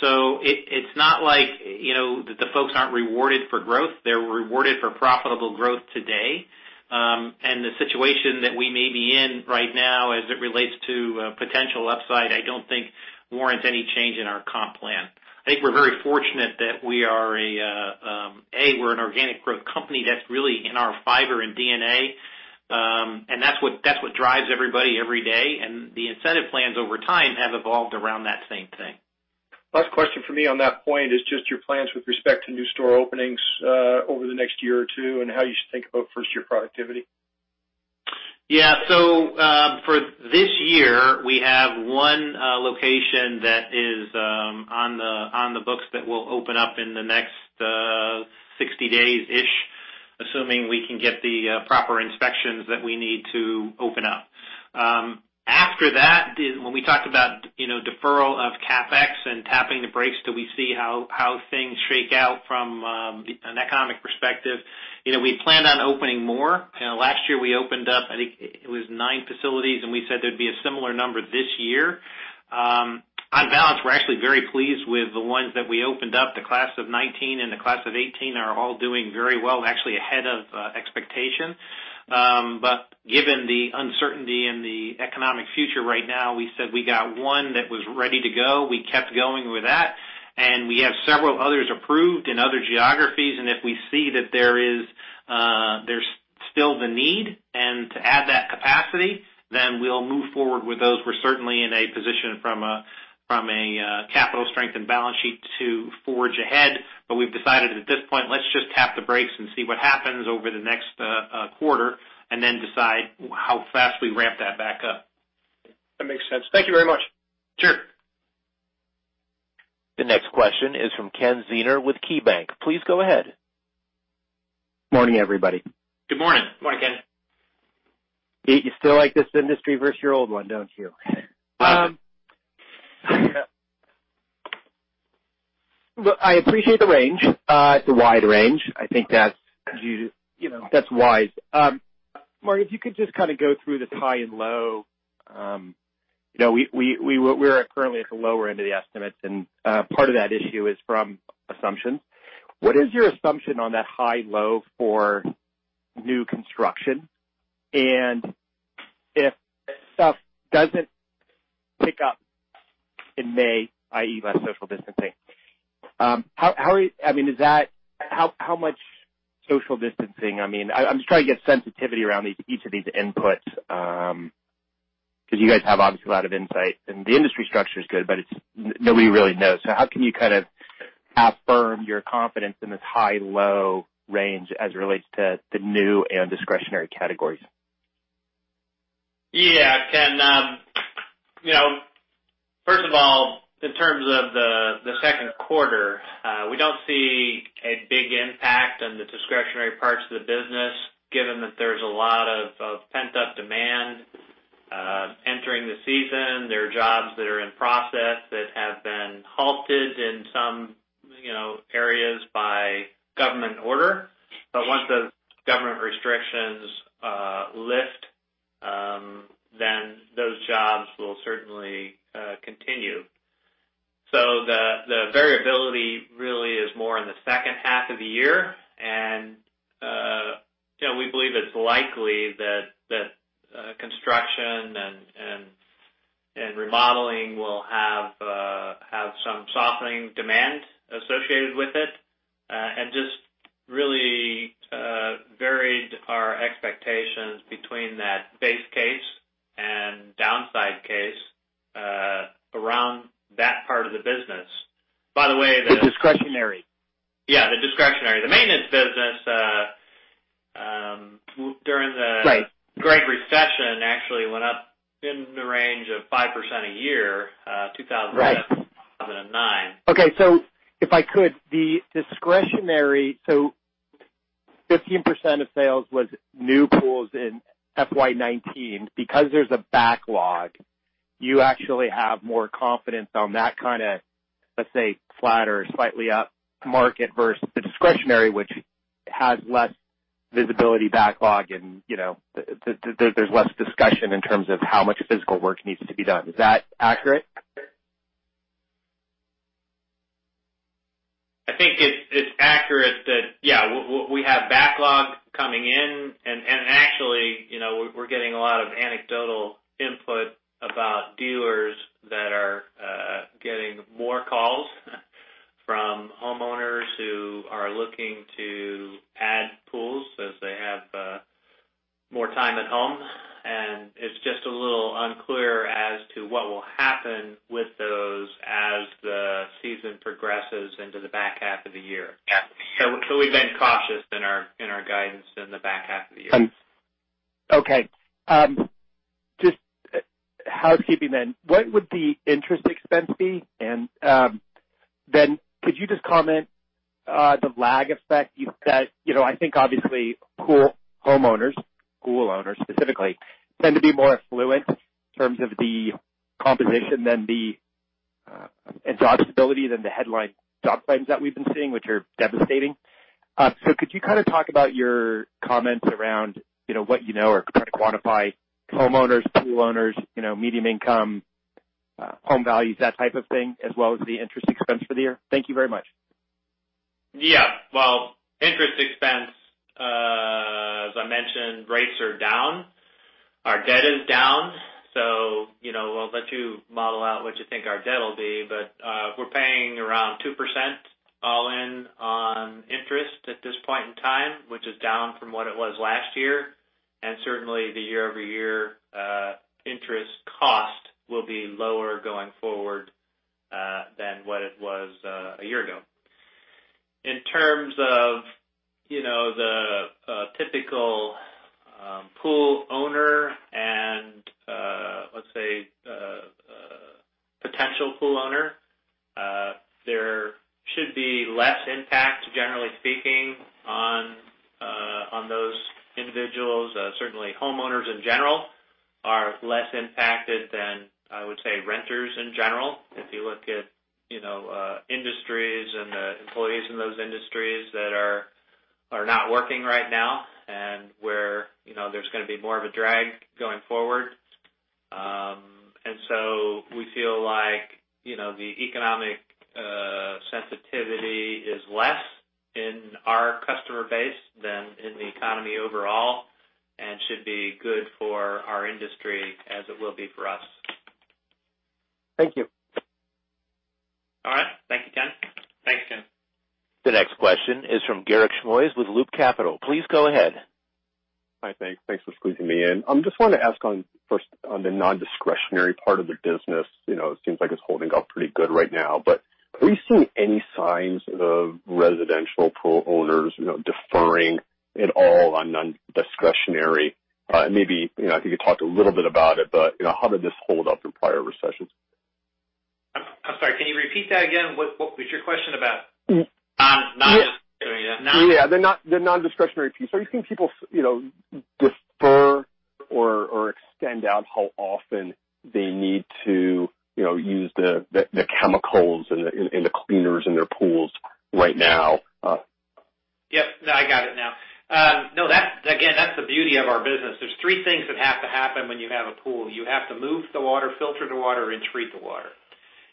It's not like the folks aren't rewarded for growth. They're rewarded for profitable growth today. The situation that we may be in right now as it relates to potential upside, I don't think warrants any change in our comp plan. I think we're very fortunate that we are, A, we're an organic growth company that's really in our fiber and DNA, and that's what drives everybody every day. The incentive plans over time have evolved around that same thing. Last question from me on that point is just your plans with respect to new store openings over the next year or two, and how you should think about first-year productivity. For this year, we have one location that is on the books that will open up in the next 60 days-ish, assuming we can get the proper inspections that we need to open up. After that, when we talked about deferral of CapEx and tapping the brakes till we see how things shake out from an economic perspective. We planned on opening more. Last year we opened up, I think, it was nine facilities, and we said there'd be a similar number this year. On balance, we're actually very pleased with the ones that we opened up. The class of 2019 and the class of 2018 are all doing very well, actually ahead of expectation. Given the uncertainty in the economic future right now, we said we got one that was ready to go. We kept going with that. We have several others approved in other geographies, and if we see that there's still the need and to add that capacity, then we'll move forward with those. We're certainly in a position from a capital strength and balance sheet to forge ahead. We've decided at this point, let's just tap the brakes and see what happens over the next quarter and then decide how fast we ramp that back up. That makes sense. Thank you very much. Sure. The next question is from Kenneth Zener with KeyBanc. Please go ahead. Morning, everybody. Good morning. Morning, Ken. You still like this industry versus your old one, don't you? Yeah. Look, I appreciate the range, the wide range. I think that's wise. Mark, if you could just kind of go through this high and low. We're currently at the lower end of the estimates, and part of that issue is from assumptions. What is your assumption on that high-low for new construction? If stuff doesn't pick up in May, i.e., less social distancing, I'm just trying to get sensitivity around each of these inputs, because you guys have obviously a lot of insight and the industry structure is good, but nobody really knows. How can you kind of affirm your confidence in this high-low range as it relates to the new and discretionary categories? Ken. First of all, in terms of the second quarter, we don't see a big impact on the discretionary parts of the business, given that there's a lot of pent-up demand entering the season. There are jobs that are in process that have been halted in some areas by government order. Once those government restrictions lift, those jobs will certainly continue. The variability really is more in the second half of the year. We believe it's likely that construction and remodeling will have some softening demand associated with it, and just really varied our expectations between that base case and downside case around that part of the business. The discretionary. Yeah, the discretionary. The maintenance business. Right during the Great Recession actually went up in the range of 5% a year, 2007- Right 2009. Okay. If I could, the discretionary, so 15% of sales was new pools in FY 2019. Because there's a backlog, you actually have more confidence on that kind of, let's say, flatter, slightly up market versus the discretionary, which has less visibility backlog and there's less discussion in terms of how much physical work needs to be done. Is that accurate? I think it's accurate that, yeah, we have backlog coming in, and actually, we're getting a lot of anecdotal input about dealers that are getting more calls from homeowners who are looking to add pools as they have more time at home. It's just a little unclear as to what will happen with those as the season progresses into the back half of the year. Yeah. We've been cautious in our guidance in the back half of the year. Okay. Just housekeeping. What would the interest expense be? Could you just comment the lag effect you've said? I think obviously pool homeowners, pool owners specifically, tend to be more affluent in terms of the composition and job stability than the headline job claims that we've been seeing, which are devastating. Could you kind of talk about your comments around what you know or try to quantify homeowners, pool owners, medium income, home values, that type of thing, as well as the interest expense for the year? Thank you very much. Yeah. Well, interest expense, as I mentioned, rates are down. Our debt is down, so we'll let you model out what you think our debt will be, but we're paying around 2% all in on interest at this point in time, which is down from what it was last year. Certainly, the year-over-year interest cost will be lower going forward than what it was a year ago. In terms of the typical pool owner and, let's say, potential pool owner, there should be less impact, generally speaking, on those individuals. Certainly, homeowners in general are less impacted than, I would say, renters in general. If you look at industries and the employees in those industries that are not working right now and where there's going to be more of a drag going forward. We feel like the economic sensitivity is less in our customer base than in the economy overall and should be good for our industry as it will be for us. Thank you. All right. Thank you, Ken. Thanks, Ken. The next question is from Garik Shmois with Loop Capital. Please go ahead. Hi, thanks. Thanks for squeezing me in. I just wanted to ask first on the non-discretionary part of the business. It seems like it's holding up pretty good right now, but are you seeing any signs of residential pool owners deferring at all on non-discretionary? Maybe, I think you talked a little bit about it, but how did this hold up in prior recessions? I'm sorry, can you repeat that again? What's your question about? Non-discretionary. Yeah. The non-discretionary piece. Are you seeing people defer or extend out how often they need to use the chemicals and the cleaners in their pools right now? Yep, I got it now. No, again, that's the beauty of our business. There are three things that have to happen when you have a pool. You have to move the water, filter the water, and treat the water.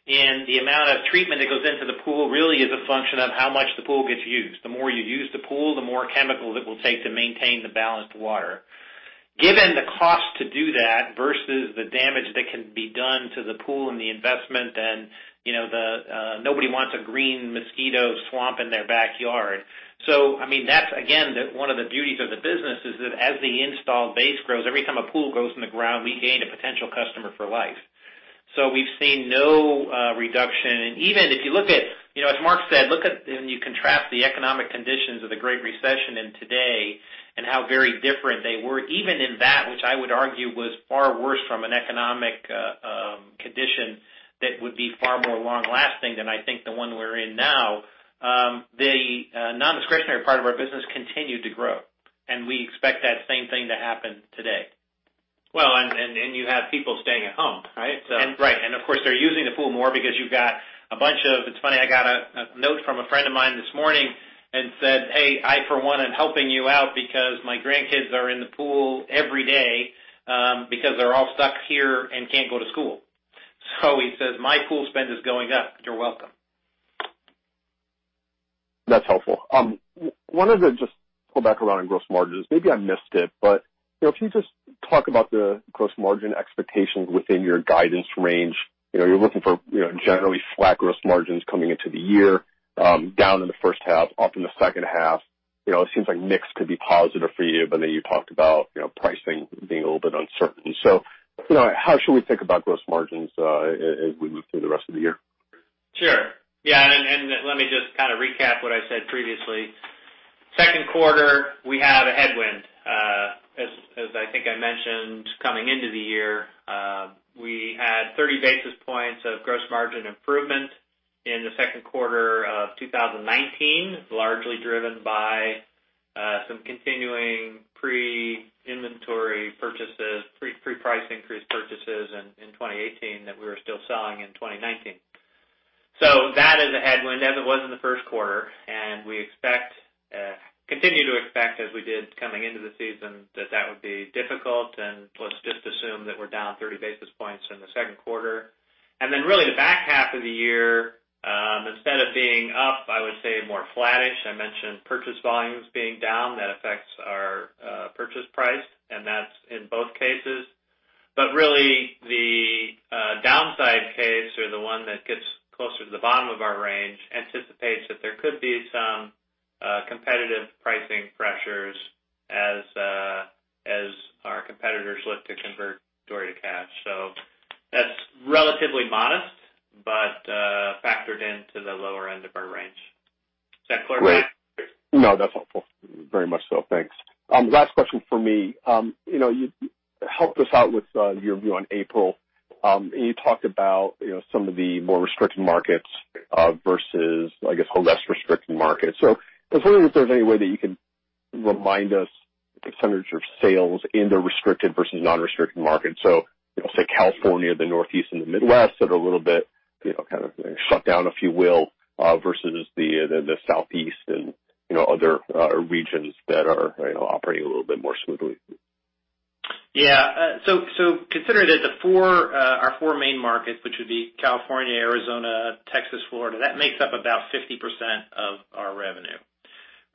The amount of treatment that goes into the pool really is a function of how much the pool gets used. The more you use the pool, the more chemicals it will take to maintain the balanced water. Given the cost to do that versus the damage that can be done to the pool and the investment, and nobody wants a green mosquito swamp in their backyard. That's again, one of the beauties of the business is that as the installed base grows, every time a pool goes in the ground, we gain a potential customer for life. We've seen no reduction. Even if you look at, as Mark said, and you contrast the economic conditions of the Great Recession and today and how very different they were, even in that, which I would argue was far worse from an economic condition that would be far more long-lasting than I think the one we're in now, the non-discretionary part of our business continued to grow. We expect that same thing to happen today. Well, you have people staying at home, right? Right. Of course, they're using the pool more because you've got It's funny, I got a note from a friend of mine this morning that said, "Hey, I for one am helping you out because my grandkids are in the pool every day because they're all stuck here and can't go to school." He says, "My pool spend is going up. You're welcome." That's helpful. Wanted to just pull back around on gross margins. Maybe I missed it, can you just talk about the gross margin expectations within your guidance range? You're looking for generally flat gross margins coming into the year, down in the first half, up in the second half. It seems like mix could be positive for you talked about pricing being a little bit uncertain. How should we think about gross margins as we move through the rest of the year? Sure. Let me just kind of recap what I said previously. Second quarter, we have a headwind. As I think I mentioned, coming into the year, we had 30 basis points of gross margin improvement in the second quarter of 2019, largely driven by some continuing pre-inventory purchases, pre-price increase purchases in 2018 that we were still selling in 2019. That is a headwind as it was in the first quarter. We continue to expect as we did coming into the season that that would be difficult. Let's just assume that we're down 30 basis points in the second quarter. Really the back half of the year, instead of being up, I would say more flattish. I mentioned purchase volumes being down. That affects our purchase price, and that's in both cases. Really, the downside case or the one that gets closer to the bottom of our range anticipates that there could be some competitive pricing pressures as our competitors look to convert inventory to cash. That's relatively modest, but factored into the lower end of our range. Does that clarify? Great. No, that's helpful. Very much so. Thanks. Last question from me. You helped us out with your view on April. You talked about some of the more restricted markets versus, I guess, less restricted markets. I was wondering if there's any way that you could remind us the % of sales in the restricted versus non-restricted markets. Say California, the Northeast, and the Midwest that are a little bit shut down, if you will, versus the Southeast and other regions that are operating a little bit more smoothly. Consider that our four main markets, which would be California, Arizona, Texas, Florida, that makes up about 50% of our revenue.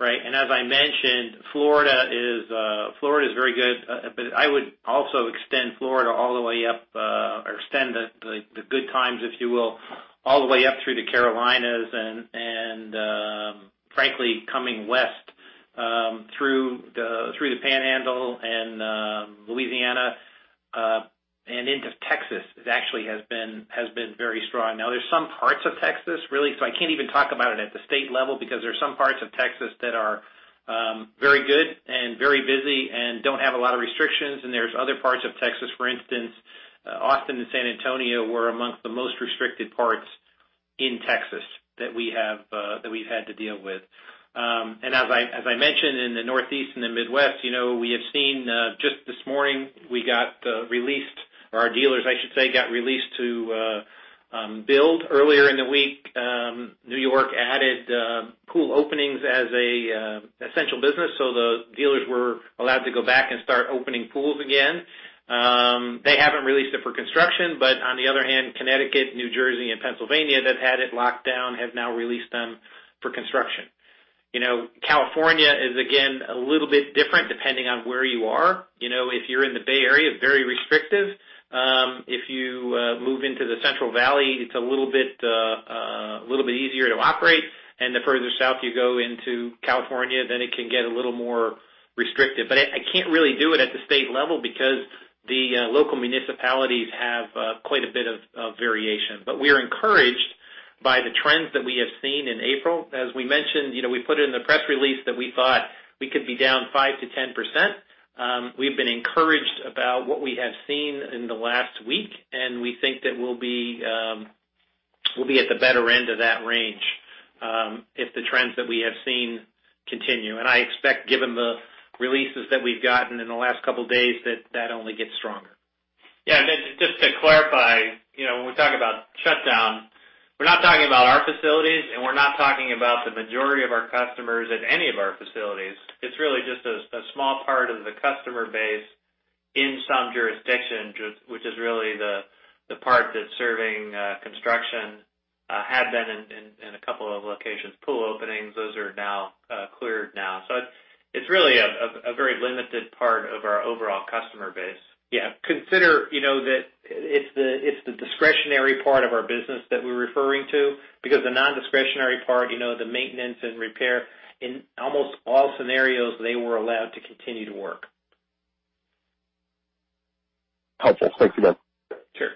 Right? As I mentioned, Florida is very good. I would also extend Florida all the way up, or extend the good times, if you will, all the way up through to Carolinas and frankly, coming west through the Panhandle and Louisiana and into Texas, it actually has been very strong. There's some parts of Texas, really, so I can't even talk about it at the state level because there's some parts of Texas that are very good and very busy and don't have a lot of restrictions. There's other parts of Texas, for instance, Austin and San Antonio were amongst the most restricted parts in Texas that we've had to deal with. As I mentioned, in the Northeast and the Midwest, we have seen, just this morning, we got released, or our dealers, I should say, got released to build. Earlier in the week, New York added pool openings as an essential business. The dealers were allowed to go back and start opening pools again. They haven't released it for construction. On the other hand, Connecticut, New Jersey, and Pennsylvania that had it locked down have now released them for construction. California is, again, a little bit different depending on where you are. If you're in the Bay Area, very restrictive. If you move into the Central Valley, it's a little bit easier to operate. The further south you go into California, it can get a little more restrictive. I can't really do it at the state level because the local municipalities have quite a bit of variation. We're encouraged by the trends that we have seen in April. As we mentioned, we put it in the press release that we thought we could be down 5%-10%. We've been encouraged about what we have seen in the last week, and we think that we'll be at the better end of that range, if the trends that we have seen continue. I expect, given the releases that we've gotten in the last couple of days, that that only gets stronger. Yeah. Just to clarify, when we talk about shutdown, we're not talking about our facilities, and we're not talking about the majority of our customers at any of our facilities. It's really just a small part of the customer base in some jurisdictions, which is really the part that's serving construction, had been in a couple of locations. Pool openings, those are cleared now. It's really a very limited part of our overall customer base. Yeah. Consider that it's the discretionary part of our business that we're referring to because the non-discretionary part, the maintenance and repair, in almost all scenarios, they were allowed to continue to work. Helpful. Thanks again. Sure.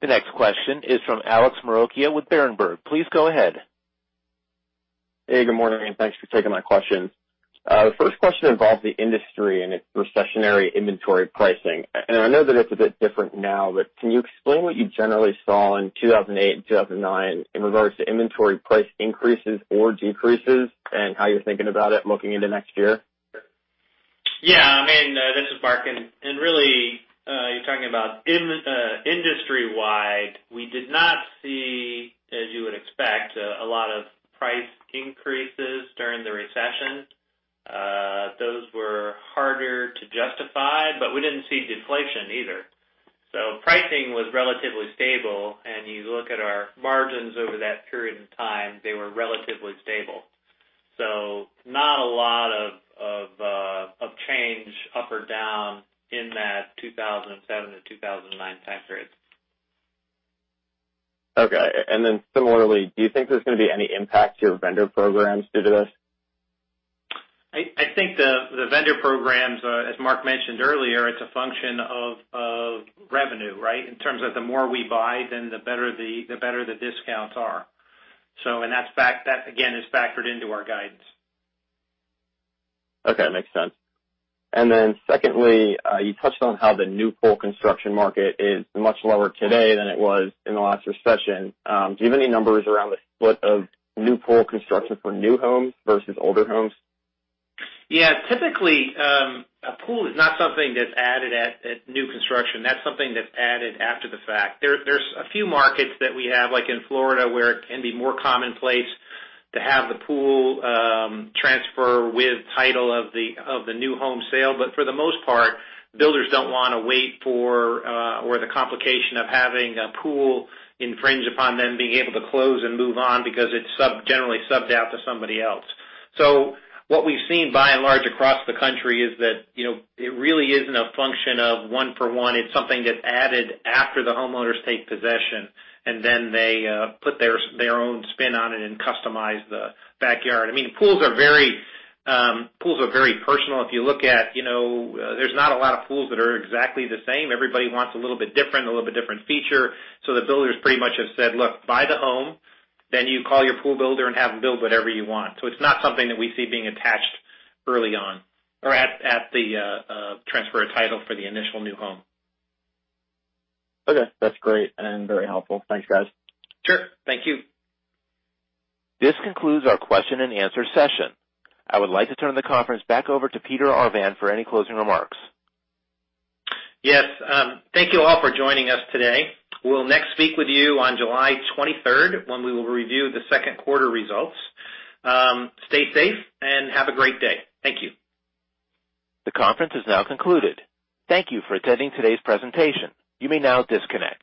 The next question is from Alex Maroccia with Berenberg. Please go ahead. Hey, good morning, thanks for taking my questions. First question involves the industry and its recessionary inventory pricing. I know that it's a bit different now, but can you explain what you generally saw in 2008 and 2009 in regards to inventory price increases or decreases and how you're thinking about it looking into next year? Yeah. This is Mark. Really, you're talking about industry-wide, we did not see, as you would expect, a lot of price increases during the Recession. Those were harder to justify, we didn't see deflation either. Pricing was relatively stable, and you look at our margins over that period in time, they were relatively stable. Not a lot of change up or down in that 2007 to 2009 time period. Okay. Similarly, do you think there's going to be any impact to your vendor programs due to this? I think the vendor programs, as Mark mentioned earlier, it's a function of revenue, right? In terms of the more we buy, then the better the discounts are. That again, is factored into our guidance. Okay. Makes sense. Secondly, you touched on how the new pool construction market is much lower today than it was in the last recession. Do you have any numbers around the split of new pool construction for new homes versus older homes? Yeah. Typically, a pool is not something that's added at new construction. That's something that's added after the fact. There's a few markets that we have, like in Florida, where it can be more commonplace to have the pool transfer with title of the new home sale. For the most part, builders don't want to wait for, or the complication of having a pool infringe upon them being able to close and move on because it's generally subbed out to somebody else. What we've seen by and large across the country is that it really isn't a function of one for one. It's something that's added after the homeowners take possession, and then they put their own spin on it and customize the backyard. Pools are very personal. If you look at, there's not a lot of pools that are exactly the same. Everybody wants a little bit different feature. The builders pretty much have said, "Look, buy the home, then you call your pool builder and have them build whatever you want." It's not something that we see being attached early on or at the transfer of title for the initial new home. Okay. That's great and very helpful. Thanks, guys. Sure. Thank you. This concludes our question and answer session. I would like to turn the conference back over to Peter Arvan for any closing remarks. Yes. Thank you all for joining us today. We'll next speak with you on July 23rd, 2020 when we will review the second quarter results. Stay safe and have a great day. Thank you. The conference is now concluded. Thank you for attending today's presentation. You may now disconnect.